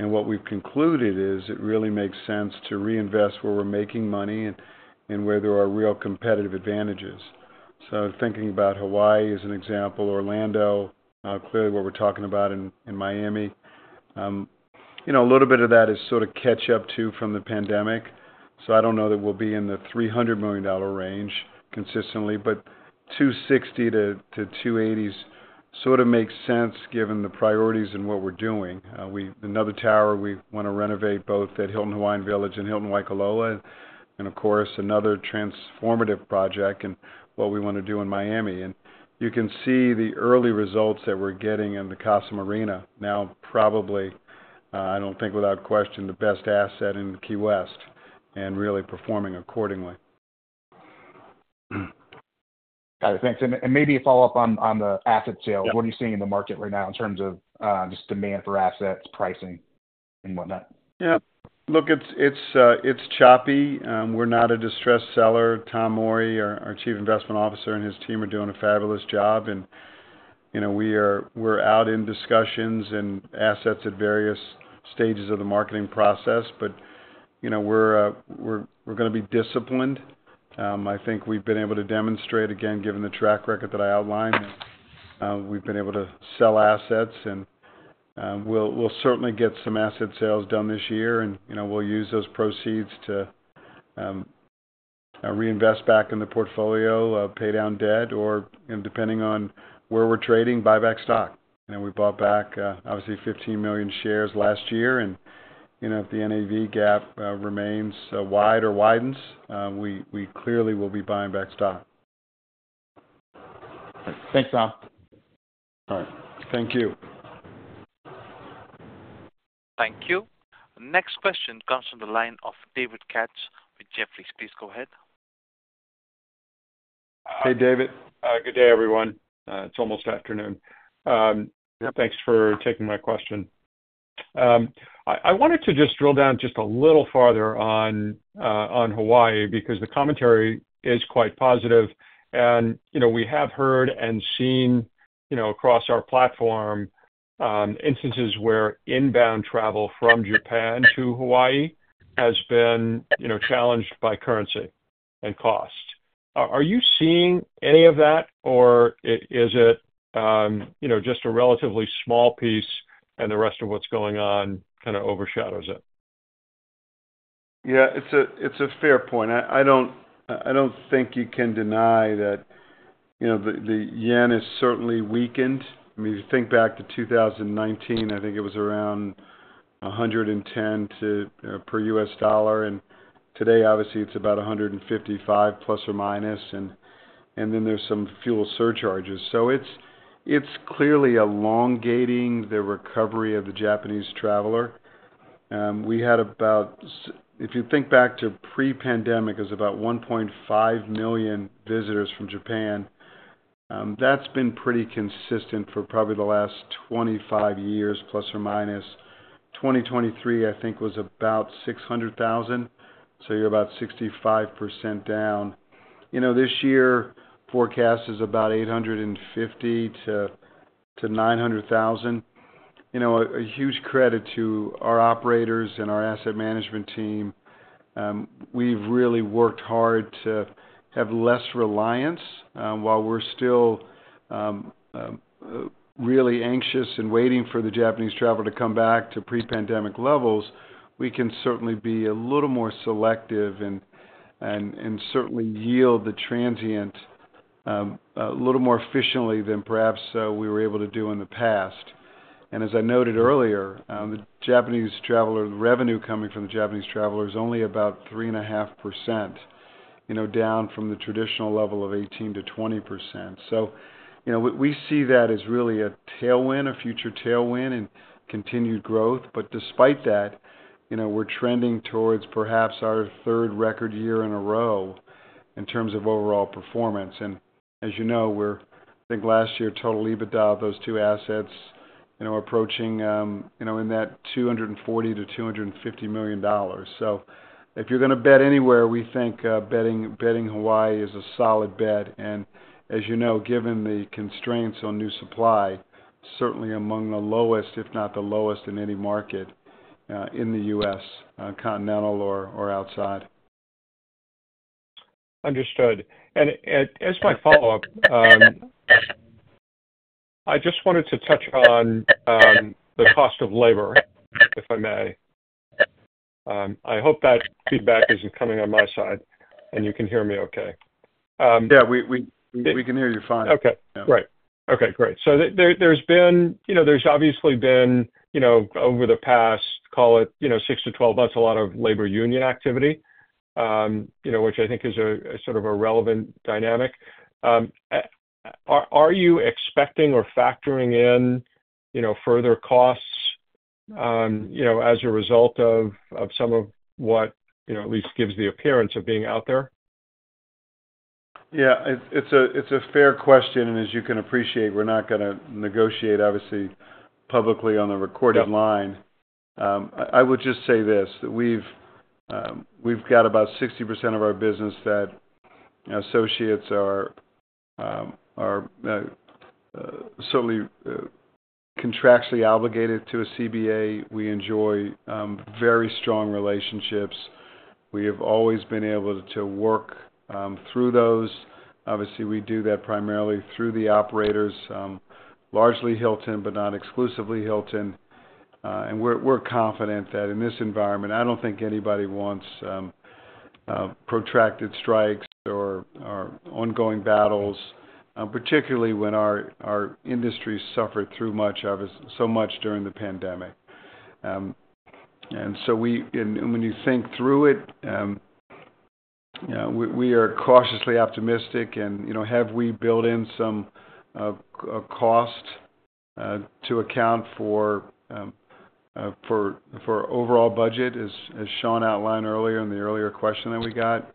And what we've concluded is, it really makes sense to reinvest where we're making money and where there are real competitive advantages. So thinking about Hawaii as an example, Orlando, clearly, where we're talking about in Miami. You know, a little bit of that is sort of catch up to from the pandemic, so I don't know that we'll be in the $300 million range consistently, but $260 million-$280 million sort of makes sense given the priorities and what we're doing. Another tower, we wanna renovate both at Hilton Hawaiian Village and Hilton Waikoloa, and of course, another transformative project, and what we wanna do in Miami. And you can see the early results that we're getting in the Casa Marina. Now, probably, I don't think without question, the best asset in Key West, and really performing accordingly.
Got it. Thanks. And maybe a follow-up on the asset sale.
Yep.
What are you seeing in the market right now in terms of, just demand for assets, pricing, and whatnot?
Yeah. Look, it's choppy. We're not a distressed seller. Tom Morey, our Chief Investment Officer, and his team are doing a fabulous job. And, you know, we are—we're out in discussions and assets at various stages of the marketing process, but, you know, we're gonna be disciplined. I think we've been able to demonstrate, again, given the track record that I outlined, we've been able to sell assets, and, we'll certainly get some asset sales done this year, and, you know, we'll use those proceeds to reinvest back in the portfolio, pay down debt, or, and depending on where we're trading, buy back stock. We bought back, obviously, 15 million shares last year, and, you know, if the NAV gap remains wide or widens, we clearly will be buying back stock.
Thanks, Tom.
All right. Thank you.
Thank you. The next question comes from the line of David Katz with Jefferies. Please go ahead.
Hey, David.
Good day, everyone. It's almost afternoon. Thanks for taking my question. I wanted to just drill down just a little farther on Hawaii, because the commentary is quite positive. And, you know, we have heard and seen, you know, across our platform, instances where inbound travel from Japan to Hawaii has been, you know, challenged by currency and cost. Are you seeing any of that, or is it, you know, just a relatively small piece and the rest of what's going on kind of overshadows it?
Yeah, it's a fair point. I don't think you can deny that, you know, the yen is certainly weakened. I mean, if you think back to 2019, I think it was around 110 to per U.S. dollar, and today, obviously, it's about 155, plus or minus, and then there's some fuel surcharges. So it's clearly elongating the recovery of the Japanese traveler. We had about if you think back to pre-pandemic, it was about 1.5 million visitors from Japan. That's been pretty consistent for probably the last 25 years, plus or minus. 2023, I think, was about 600,000, so you're about 65% down. You know, this year, forecast is about 850-900,000. You know, a huge credit to our operators and our asset management team. We've really worked hard to have less reliance. While we're still really anxious and waiting for the Japanese traveler to come back to pre-pandemic levels, we can certainly be a little more selective and certainly yield the transient a little more efficiently than perhaps we were able to do in the past. And as I noted earlier, the Japanese traveler, the revenue coming from the Japanese traveler is only about 3.5%, you know, down from the traditional level of 18%-20%. So, you know, we see that as really a tailwind, a future tailwind and continued growth. But despite that, you know, we're trending towards perhaps our third record year in a row in terms of overall performance. And as you know, we're I think last year, total EBITDA, those two assets, you know, approaching, you know, in that $240 million-$250 million. So if you're gonna bet anywhere, we think, betting Hawaii is a solid bet, and as you know, given the constraints on new supply, certainly among the lowest, if not the lowest in any market, in the U.S., continental or outside.
Understood. And as my follow-up, I just wanted to touch on the cost of labor, if I may. I hope that feedback isn't coming on my side, and you can hear me okay.
Yeah, we can hear you fine.
Okay.
Yeah.
Right. Okay, great. So there's been... You know, there's obviously been, you know, over the past, call it, you know, six to 12 months, a lot of labor union activity, you know, which I think is a sort of a relevant dynamic. Are you expecting or factoring in, you know, further costs, you know, as a result of some of what, you know, at least gives the appearance of being out there?
Yeah, it's a fair question, and as you can appreciate, we're not gonna negotiate, obviously, publicly on a recorded line. I would just say this, that we've got about 60% of our business that associates are certainly contractually obligated to a CBA. We enjoy very strong relationships. We have always been able to work through those. Obviously, we do that primarily through the operators, largely Hilton, but not exclusively Hilton. And we're confident that in this environment, I don't think anybody wants a protracted strikes or ongoing battles, particularly when our industry suffered through much of it, so much during the pandemic. And so, when you think through it, you know, we, we are cautiously optimistic and, you know, have we built in some cost to account for overall budget, as Sean outlined earlier in the earlier question that we got?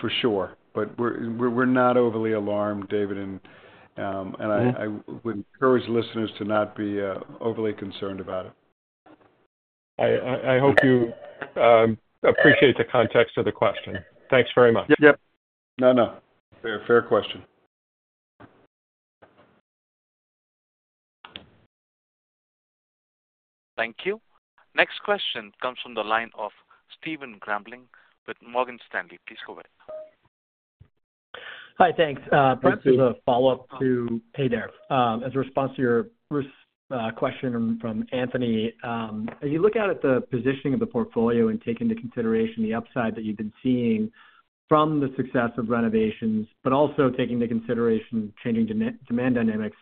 For sure, but we're, we're not overly alarmed, David, and
Mm-hmm.
And I would encourage listeners to not be overly concerned about it.
I hope you appreciate the context of the question. Thanks very much.
Yep. No, no. Fair, fair question.
Thank you. Next question comes from the line of Stephen Grambling with Morgan Stanley. Please go ahead.
Hi, thanks.
Thank you.
Perhaps as a follow-up to Haendel. As a response to your first question from Anthony, as you look out at the positioning of the portfolio and take into consideration the upside that you've been seeing from the success of renovations, but also taking into consideration changing demand dynamics,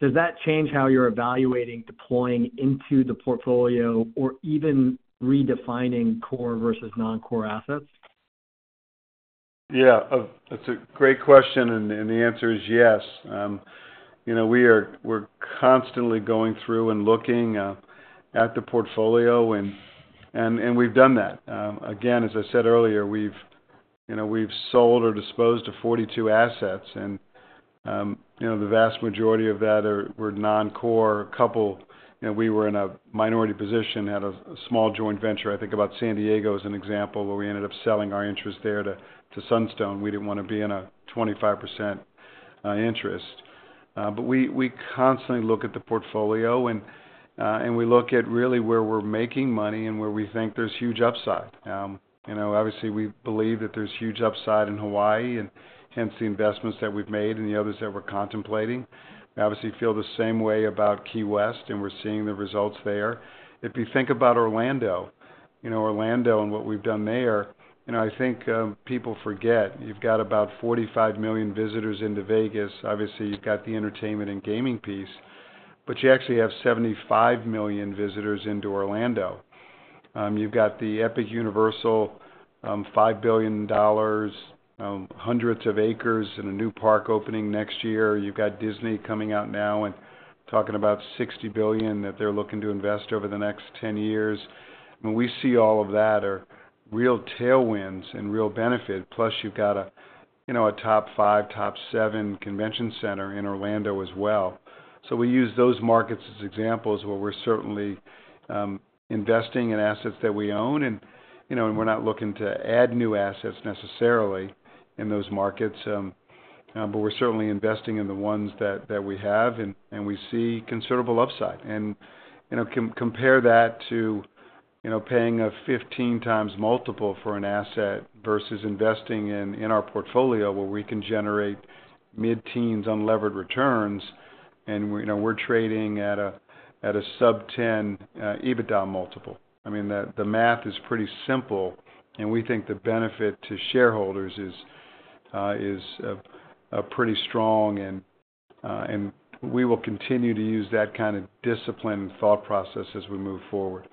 does that change how you're evaluating deploying into the portfolio or even redefining core versus non-core assets?
Yeah, that's a great question, and the answer is yes. You know, we're constantly going through and looking at the portfolio, and we've done that. Again, as I said earlier, we've, you know, we've sold or disposed of 42 assets and, you know, the vast majority of that were non-core. A couple, you know, we were in a minority position at a small joint venture. I think about San Diego as an example, where we ended up selling our interest there to Sunstone. We didn't want to be in a 25% interest. But we constantly look at the portfolio and we look at really where we're making money and where we think there's huge upside. You know, obviously, we believe that there's huge upside in Hawaii, and hence the investments that we've made and the others that we're contemplating. We obviously feel the same way about Key West, and we're seeing the results there. If you think about Orlando, you know, Orlando and what we've done there, you know, I think, people forget, you've got about 45 million visitors into Vegas. Obviously, you've got the entertainment and gaming piece, but you actually have 75 million visitors into Orlando. You've got the Universal Epic Universe, $5 billion, hundreds of acres and a new park opening next year. You've got Disney coming out now and talking about $60 billion, that they're looking to invest over the next 10 years. When we see all of that are real tailwinds and real benefit, plus you've got a, you know, a top five, top seven convention center in Orlando as well. So we use those markets as examples where we're certainly investing in assets that we own, and, you know, and we're not looking to add new assets necessarily in those markets, but we're certainly investing in the ones that we have, and we see considerable upside. And, you know, compare that to, you know, paying a 15x multiple for an asset versus investing in our portfolio, where we can generate mid-teens unlevered returns, and, you know, we're trading at a sub-10 EBITDA multiple. I mean, the math is pretty simple, and we think the benefit to shareholders is pretty strong, and we will continue to use that kind of discipline and thought process as we move forward.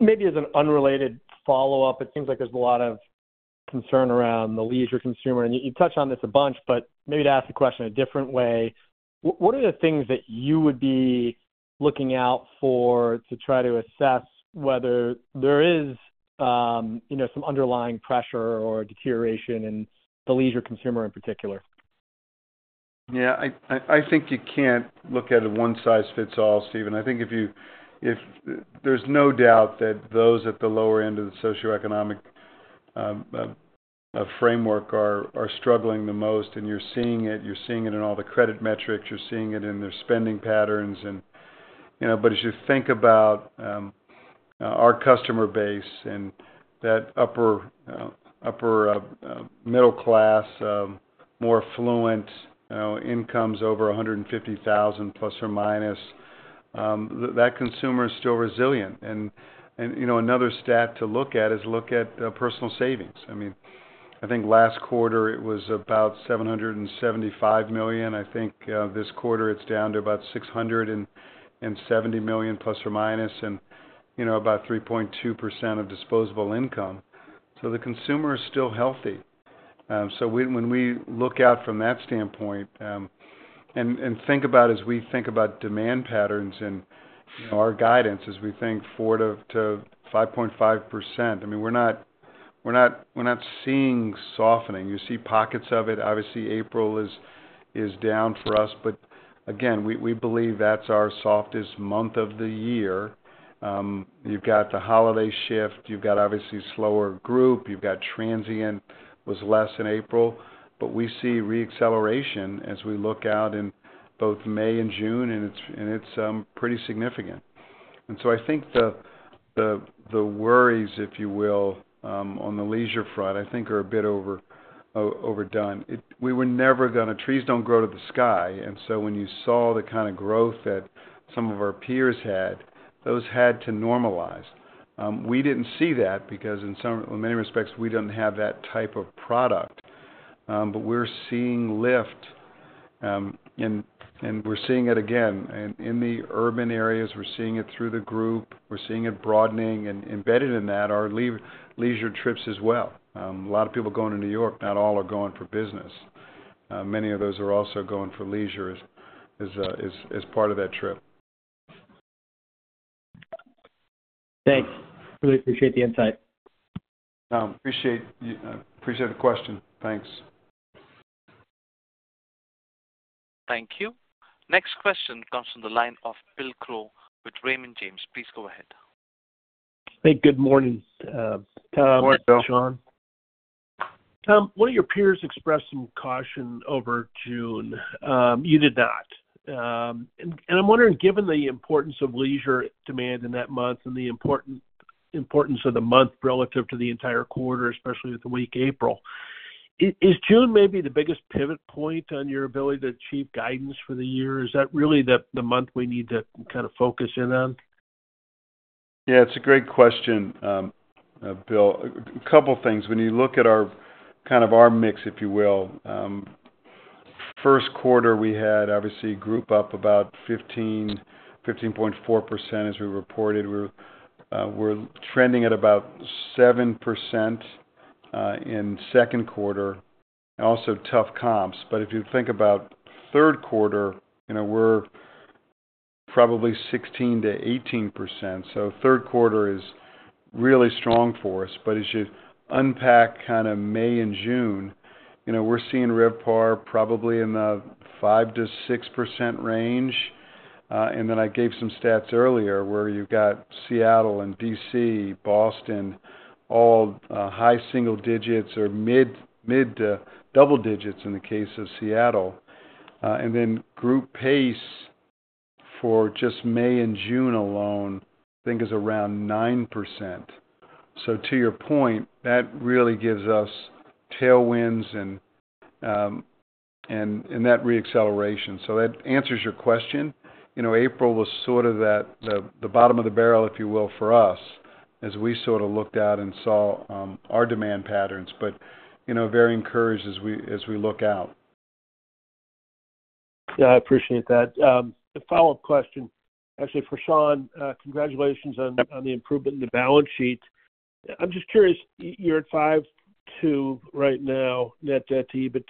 Maybe as an unrelated follow-up, it seems like there's a lot of concern around the leisure consumer, and you touched on this a bunch, but maybe to ask the question a different way: what are the things that you would be looking out for to try to assess whether there is, you know, some underlying pressure or deterioration in the leisure consumer in particular?
Yeah, I think you can't look at a one-size-fits-all, Stephen. I think if you... if... There's no doubt that those at the lower end of the socioeconomic framework are struggling the most, and you're seeing it. You're seeing it in all the credit metrics, you're seeing it in their spending patterns, and, you know... But as you think about our customer base and that upper middle class, more affluent, you know, incomes over 150,000, plus or minus, that consumer is still resilient. And, you know, another stat to look at is look at personal savings. I mean, I think last quarter, it was about $775 million. I think, this quarter, it's down to about $670 million, plus or minus, and, you know, about 3.2% of disposable income. So the consumer is still healthy. So when we look out from that standpoint, and think about as we think about demand patterns and, you know, our guidance, as we think 4%-5.5%, I mean, we're not seeing softening. You see pockets of it. Obviously, April is down for us, but again, we believe that's our softest month of the year. You've got the holiday shift, you've got obviously slower group, you've got transient was less in April, but we see re-acceleration as we look out in both May and June, and it's pretty significant. So I think the worries, if you will, on the leisure front, I think are a bit overdone. Trees don't grow to the sky, and so when you saw the kind of growth that some of our peers had, those had to normalize. We didn't see that because in some, in many respects, we didn't have that type of product. But we're seeing lift, and we're seeing it again. And in the urban areas, we're seeing it through the group, we're seeing it broadening, and embedded in that are leisure trips as well. A lot of people going to New York, not all are going for business. Many of those are also going for leisure as part of that trip.
Thanks. Really appreciate the insight.
Appreciate the question. Thanks.
Thank you. Next question comes from the line of Bill Crow with Raymond James. Please go ahead.
Hey, good morning, Tom-
Good morning, Bill.
And Sean. Tom, one of your peers expressed some caution over June. You did not. And I'm wondering, given the importance of leisure demand in that month and the importance of the month relative to the entire quarter, especially with the weak April, is June maybe the biggest pivot point on your ability to achieve guidance for the year? Is that really the month we need to kind of focus in on?
Yeah, it's a great question, Bill. A couple things. When you look at our kind of our mix, if you will, first quarter, we had obviously group up about 15%, 15.4%, as we reported. We're trending at about 7% in second quarter, also tough comps. But if you think about third quarter, you know, we're probably 16%-18%, so third quarter is really strong for us. But as you unpack kind of May and June, you know, we're seeing RevPAR probably in the 5%-6% range. And then I gave some stats earlier, where you've got Seattle and D.C., Boston, all high single digits or mid to double digits in the case of Seattle. And then group pace for just May and June alone, I think, is around 9%. So to your point, that really gives us tailwinds and, and, and that re-acceleration. So that answers your question. You know, April was sort of that, the, the bottom of the barrel, if you will, for us, as we sort of looked at and saw, our demand patterns, but, you know, very encouraged as we, as we look out.
Yeah, I appreciate that. A follow-up question, actually for Sean. Congratulations on the improvement in the balance sheet. I'm just curious, you're at 5.2 right now, net debt to EBITDA,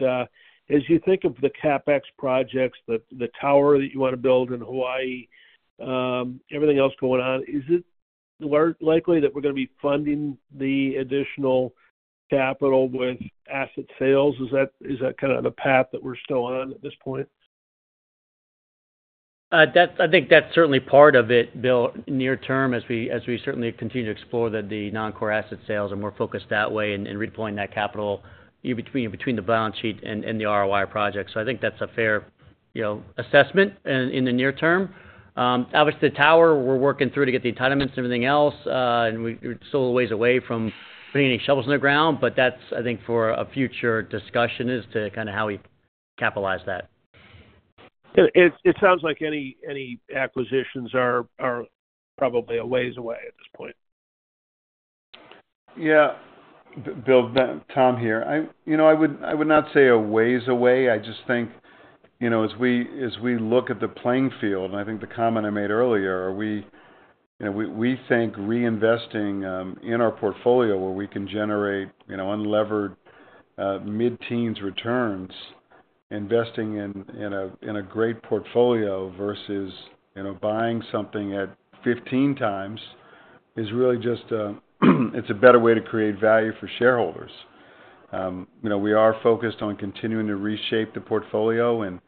but as you think of the CapEx projects, the tower that you want to build in Hawaii, everything else going on, is it likely that we're going to be funding the additional capital with asset sales? Is that kind of the path that we're still on at this point?
That's. I think that's certainly part of it, Bill, near term, as we certainly continue to explore the non-core asset sales and more focused that way and redeploying that capital into between the balance sheet and the ROI projects. So I think that's a fair, you know, assessment in the near term. Obviously, the tower, we're working through to get the entitlements and everything else, and we're still a ways away from putting any shovels in the ground, but that's, I think, for a future discussion, as to kind of how we capitalize that.
It sounds like any acquisitions are probably a ways away at this point.
Yeah, Bill, Tom here. You know, I would not say a ways away. I just think, you know, as we look at the playing field, and I think the comment I made earlier, we, you know, we think reinvesting in our portfolio, where we can generate, you know, unlevered mid-teens returns, investing in a great portfolio versus, you know, buying something at 15x, is really just it's a better way to create value for shareholders. You know, we are focused on continuing to reshape the portfolio and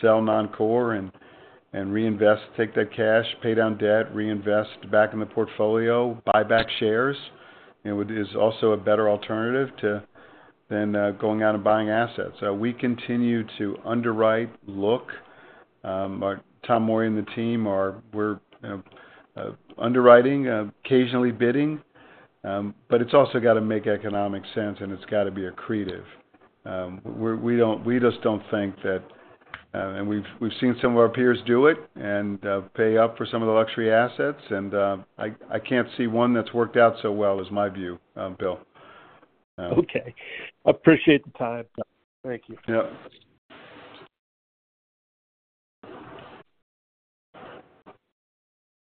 sell non-core and reinvest, take that cash, pay down debt, reinvest back in the portfolio, buy back shares, you know, is also a better alternative to than going out and buying assets. So we continue to underwrite, look, Tom Morey and the team are, we're underwriting, occasionally bidding, but it's also got to make economic sense, and it's got to be accretive. We're, we don't - we just don't think that, and we've seen some of our peers do it and pay up for some of the luxury assets, and I can't see one that's worked out so well, is my view, Bill.
Okay. Appreciate the time. Thank you.
Yeah.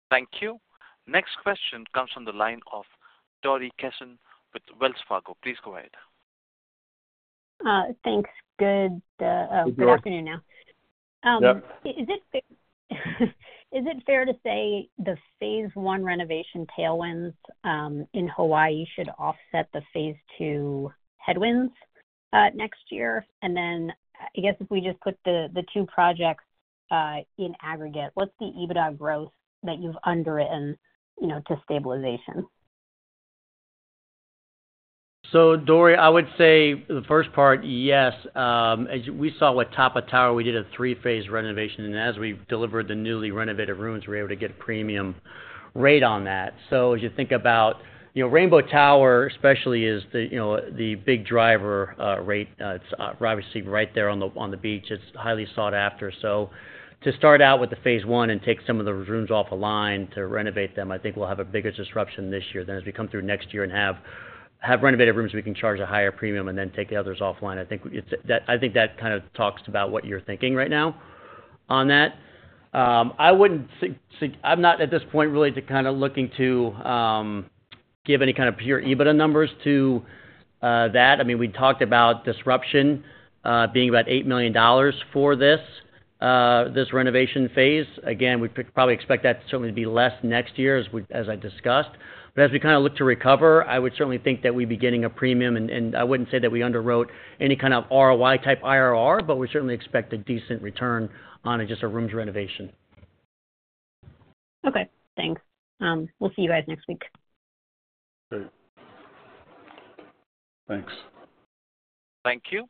Thank you. Next question comes from the line of Dori Kesten with Wells Fargo. Please go ahead....
Thanks. Good afternoon now.
Yep.
Is it fair to say the phase one renovation tailwinds in Hawaii should offset the phase two headwinds next year? And then I guess if we just put the two projects in aggregate, what's the EBITDA growth that you've underwritten, you know, to stabilization?
So Dori, I would say the first part, yes. As we saw with Tapa Tower, we did a three-phase renovation, and as we delivered the newly renovated rooms, we were able to get premium rate on that. So as you think about, you know, Rainbow Tower, especially, is the, you know, the big driver, rate. It's obviously right there on the beach. It's highly sought after. So to start out with the phase one and take some of the rooms off the line to renovate them, I think we'll have a bigger disruption this year than as we come through next year and have renovated rooms we can charge a higher premium and then take the others offline. I think that kind of talks about what you're thinking right now on that. I wouldn't sig- sig-- I'm not at this point really looking to give any kind of pure EBITDA numbers to that. I mean, we talked about disruption being about $8 million for this renovation phase. Again, we probably expect that to certainly be less next year, as I discussed. But as we kind of look to recover, I would certainly think that we'd be getting a premium, and I wouldn't say that we underwrote any kind of ROI type IRR, but we certainly expect a decent return on just a rooms renovation.
Okay, thanks. We'll see you guys next week.
Great. Thanks.
Thank you.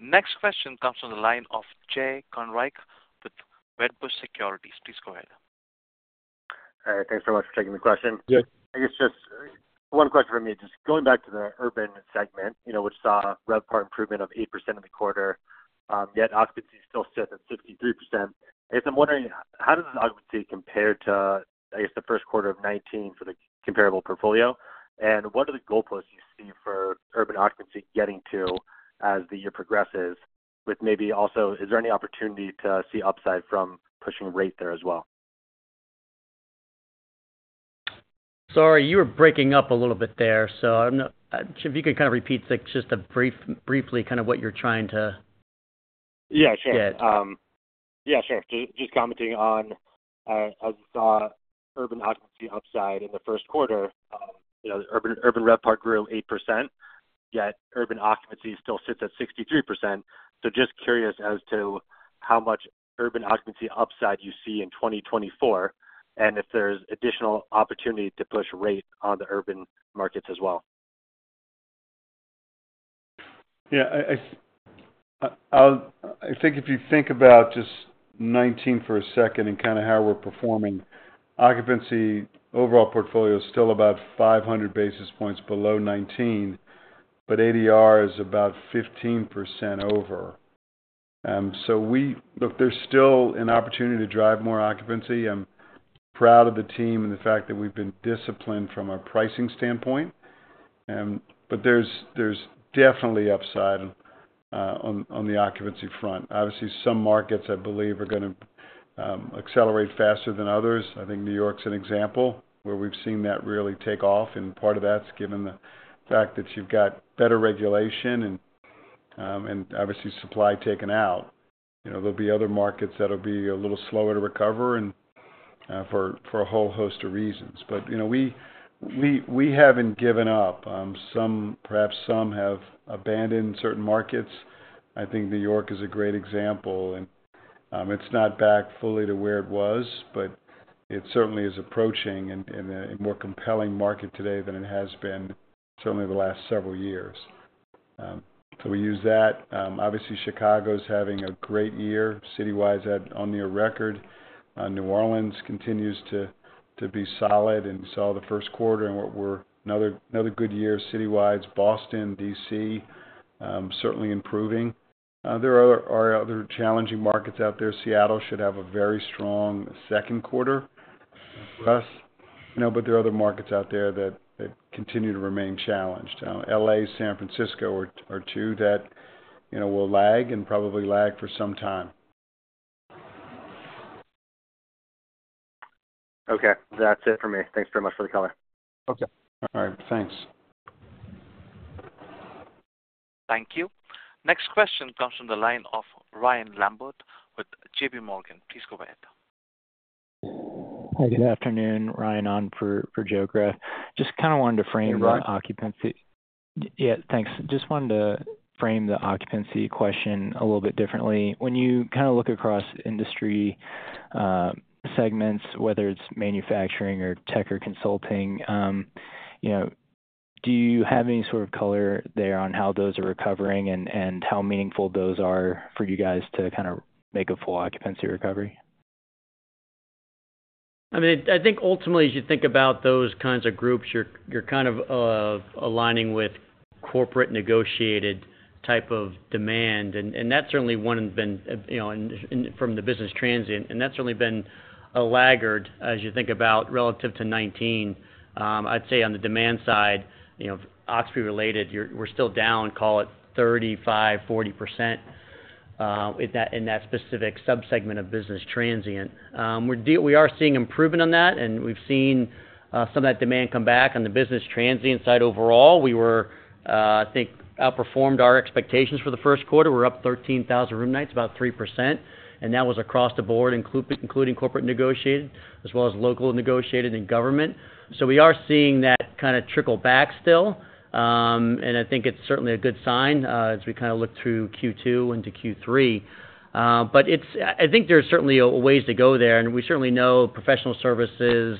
Next question comes from the line of Jay Kornreich with Wedbush Securities. Please go ahead.
Hi, thanks so much for taking the question.
Yeah.
I guess just one question for me, just going back to the urban segment, you know, which saw RevPAR improvement of 8% in the quarter, yet occupancy still sits at 63%. I guess I'm wondering, how does the occupancy compare to, I guess, the first quarter of 2019 for the comparable portfolio? And what are the goalposts you see for urban occupancy getting to as the year progresses, with maybe also, is there any opportunity to see upside from pushing rate there as well?
Sorry, you were breaking up a little bit there, so I'm not—if you could kind of repeat the, just briefly kind of what you're trying to...
Yeah, sure.
Get.
Yeah, sure. Just commenting on, as you saw, urban occupancy upside in the first quarter, you know, urban RevPAR grew 8%, yet urban occupancy still sits at 63%. So just curious as to how much urban occupancy upside you see in 2024, and if there's additional opportunity to push rate on the urban markets as well.
Yeah, I think if you think about just 2019 for a second and kind of how we're performing, occupancy overall portfolio is still about 500 basis points below 2019, but ADR is about 15% over. So we look, there's still an opportunity to drive more occupancy. I'm proud of the team and the fact that we've been disciplined from a pricing standpoint. But there's definitely upside on the occupancy front. Obviously, some markets, I believe, are gonna accelerate faster than others. I think New York's an example, where we've seen that really take off, and part of that's given the fact that you've got better regulation and obviously, supply taken out. You know, there'll be other markets that'll be a little slower to recover and for a whole host of reasons. But, you know, we haven't given up. Some – perhaps some have abandoned certain markets. I think New York is a great example, and it's not back fully to where it was, but it certainly is approaching and a more compelling market today than it has been certainly the last several years. So we use that. Obviously, Chicago's having a great year. Citywides at on near record. New Orleans continues to be solid, and we saw the first quarter and what we're another good year. Citywides Boston, DC, certainly improving. There are other challenging markets out there. Seattle should have a very strong second quarter for us. You know, but there are other markets out there that continue to remain challenged. LA, San Francisco are two that, you know, will lag and probably lag for some time.
Okay. That's it for me. Thanks very much for the color.
Okay. All right. Thanks.
Thank you. Next question comes from the line of Ryan Lambert with JPMorgan. Please go ahead.
Hi, good afternoon, Ryan on for, for Joe Greff. Just kind of wanted to frame the occupancy-
Hey, Ryan.
Yeah, thanks. Just wanted to frame the occupancy question a little bit differently. When you kind of look across industry segments, whether it's manufacturing or tech or consulting, you know, do you have any sort of color there on how those are recovering and how meaningful those are for you guys to kind of make a full occupancy recovery?
I mean, I think ultimately, as you think about those kinds of groups, you're kind of aligning with corporate negotiated type of demand, and that's certainly one that's been, you know, in, from the business transient, and that's certainly been a laggard, as you think about relative to 2019. I'd say on the demand side, you know, occupancy-related, we're still down, call it 35%-40%, with that, in that specific subsegment of business transient. We're seeing improvement on that, and we've seen some of that demand come back on the business transient side. Overall, we, I think, outperformed our expectations for the first quarter. We're up 13,000 room nights, about 3%, and that was across the board, including corporate negotiated, as well as local negotiated and government. So we are seeing that kind of trickle back still. And I think it's certainly a good sign, as we kind of look through Q2 into Q3. But it's. I think there's certainly a ways to go there, and we certainly know professional services,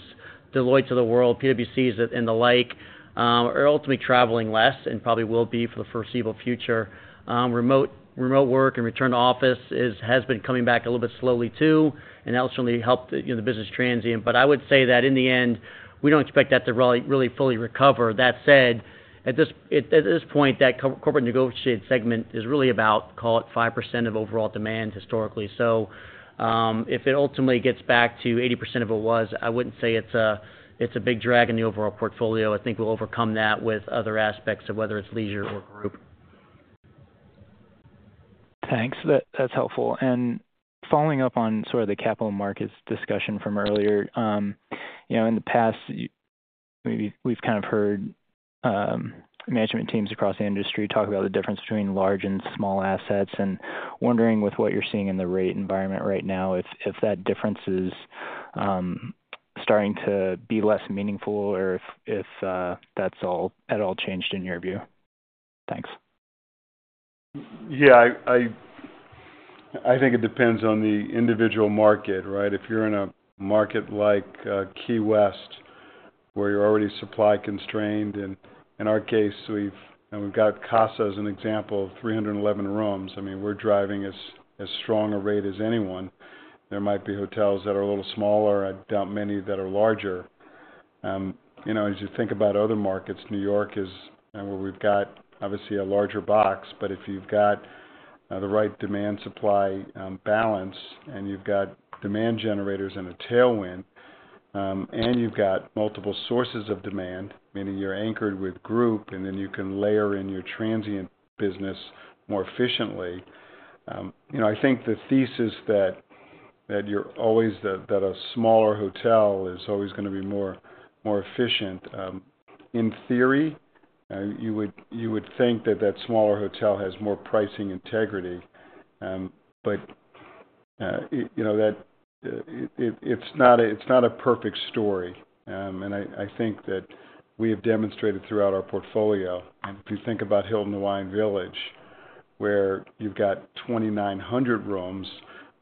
Deloittes of the world, PwCs, and the like, are ultimately traveling less and probably will be for the foreseeable future. Remote, remote work and return to office is. It has been coming back a little bit slowly, too, and that ultimately helped, you know, the business transient. But I would say that in the end, we don't expect that to really, really fully recover. That said, at this, at, at this point, that corporate negotiated segment is really about, call it, 5% of overall demand historically. If it ultimately gets back to 80% of it was, I wouldn't say it's a big drag on the overall portfolio. I think we'll overcome that with other aspects of whether it's leisure or group.
Thanks. That's helpful. And following up on sort of the capital markets discussion from earlier, you know, in the past, we've kind of heard management teams across the industry talk about the difference between large and small assets, and wondering with what you're seeing in the rate environment right now, if that difference is starting to be less meaningful or if that's at all changed in your view? Thanks.
Yeah, I think it depends on the individual market, right? If you're in a market like Key West, where you're already supply constrained, and in our case, we've got Casa as an example, 311 rooms. I mean, we're driving as strong a rate as anyone. There might be hotels that are a little smaller. I doubt many that are larger. You know, as you think about other markets, New York is, you know, where we've got, obviously, a larger box, but if you've got the right demand-supply balance, and you've got demand generators and a tailwind, and you've got multiple sources of demand, meaning you're anchored with group, and then you can layer in your transient business more efficiently. You know, I think the thesis that you're always, that a smaller hotel is always gonna be more efficient, in theory, you would think that that smaller hotel has more pricing integrity. But you know, that it, it's not a perfect story. And I think that we have demonstrated throughout our portfolio, and if you think about Hilton Hawaiian Village, where you've got 2,900 rooms,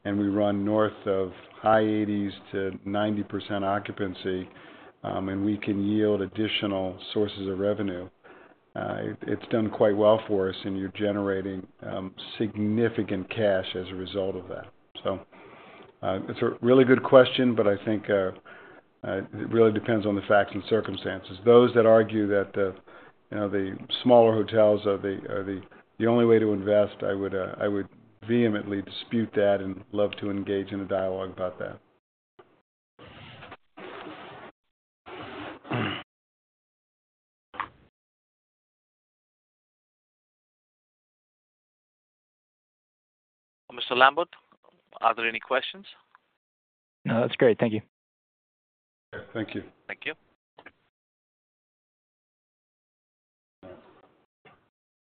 and we run north of high 80s to 90% occupancy, and we can yield additional sources of revenue, it's done quite well for us, and you're generating significant cash as a result of that. So it's a really good question, but I think it really depends on the facts and circumstances. Those that argue that the, you know, the smaller hotels are the only way to invest, I would vehemently dispute that and love to engage in a dialogue about that.
Mr. Lambert, are there any questions?
No, that's great. Thank you.
Thank you.
Thank you.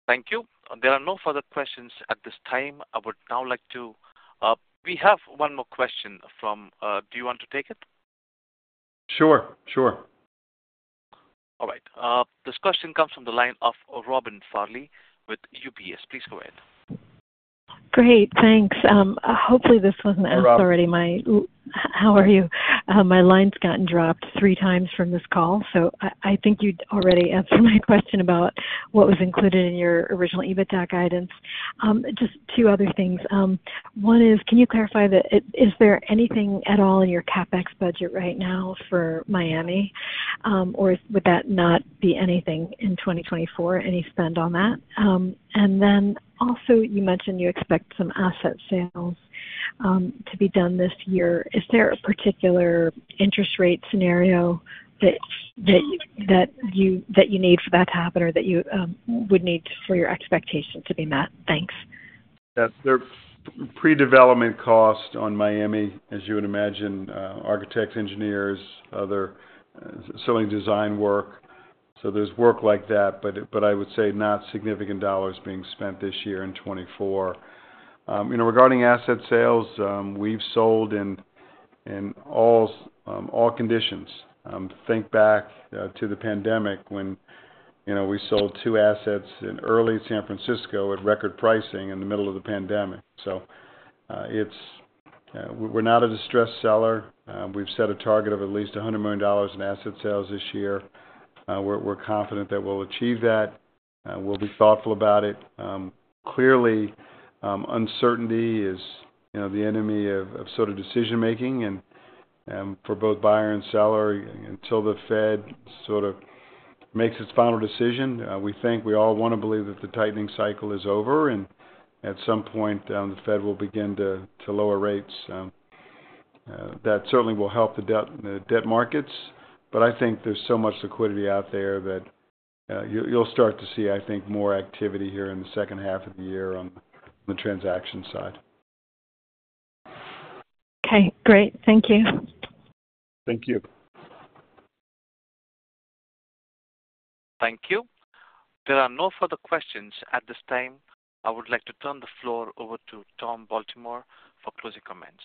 Thank you. There are no further questions at this time. I would now like to... We have one more question from, do you want to take it?
Sure. Sure.
All right. This question comes from the line of Robin Farley with UBS. Please go ahead.
Great, thanks. Hopefully, this wasn't asked already.
Hi, Robin.
How are you? My line's gotten dropped three times from this call, so I think you'd already answered my question about what was included in your original EBITDA guidance. Just two other things. One is, can you clarify that, is there anything at all in your CapEx budget right now for Miami? Or would that not be anything in 2024, any spend on that? And then also, you mentioned you expect some asset sales to be done this year. Is there a particular interest rate scenario that you need for that to happen, or that you would need for your expectations to be met? Thanks.
Yeah. There are pre-development costs on Miami, as you would imagine, architects, engineers, other selling design work. So there's work like that, but, but I would say not significant dollars being spent this year in 2024. You know, regarding asset sales, we've sold in, in all, all conditions. Think back to the pandemic when, you know, we sold two assets in early San Francisco at record pricing in the middle of the pandemic. So, it's, we're not a distressed seller. We've set a target of at least $100 million in asset sales this year. We're, we're confident that we'll achieve that. We'll be thoughtful about it. Clearly, uncertainty is, you know, the enemy of sort of decision-making and for both buyer and seller, until the Fed sort of makes its final decision. We think we all want to believe that the tightening cycle is over, and at some point, the Fed will begin to lower rates. That certainly will help the debt markets, but I think there's so much liquidity out there that you'll start to see, I think, more activity here in the second half of the year on the transaction side.
Okay, great. Thank you.
Thank you.
Thank you. There are no further questions at this time. I would like to turn the floor over to Tom Baltimore for closing comments.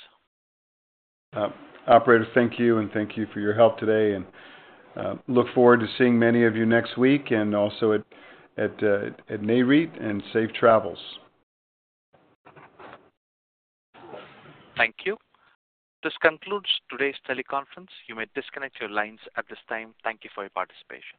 Operator, thank you, and thank you for your help today, and look forward to seeing many of you next week, and also at NAREIT, and safe travels.
Thank you. This concludes today's teleconference. You may disconnect your lines at this time. Thank you for your participation.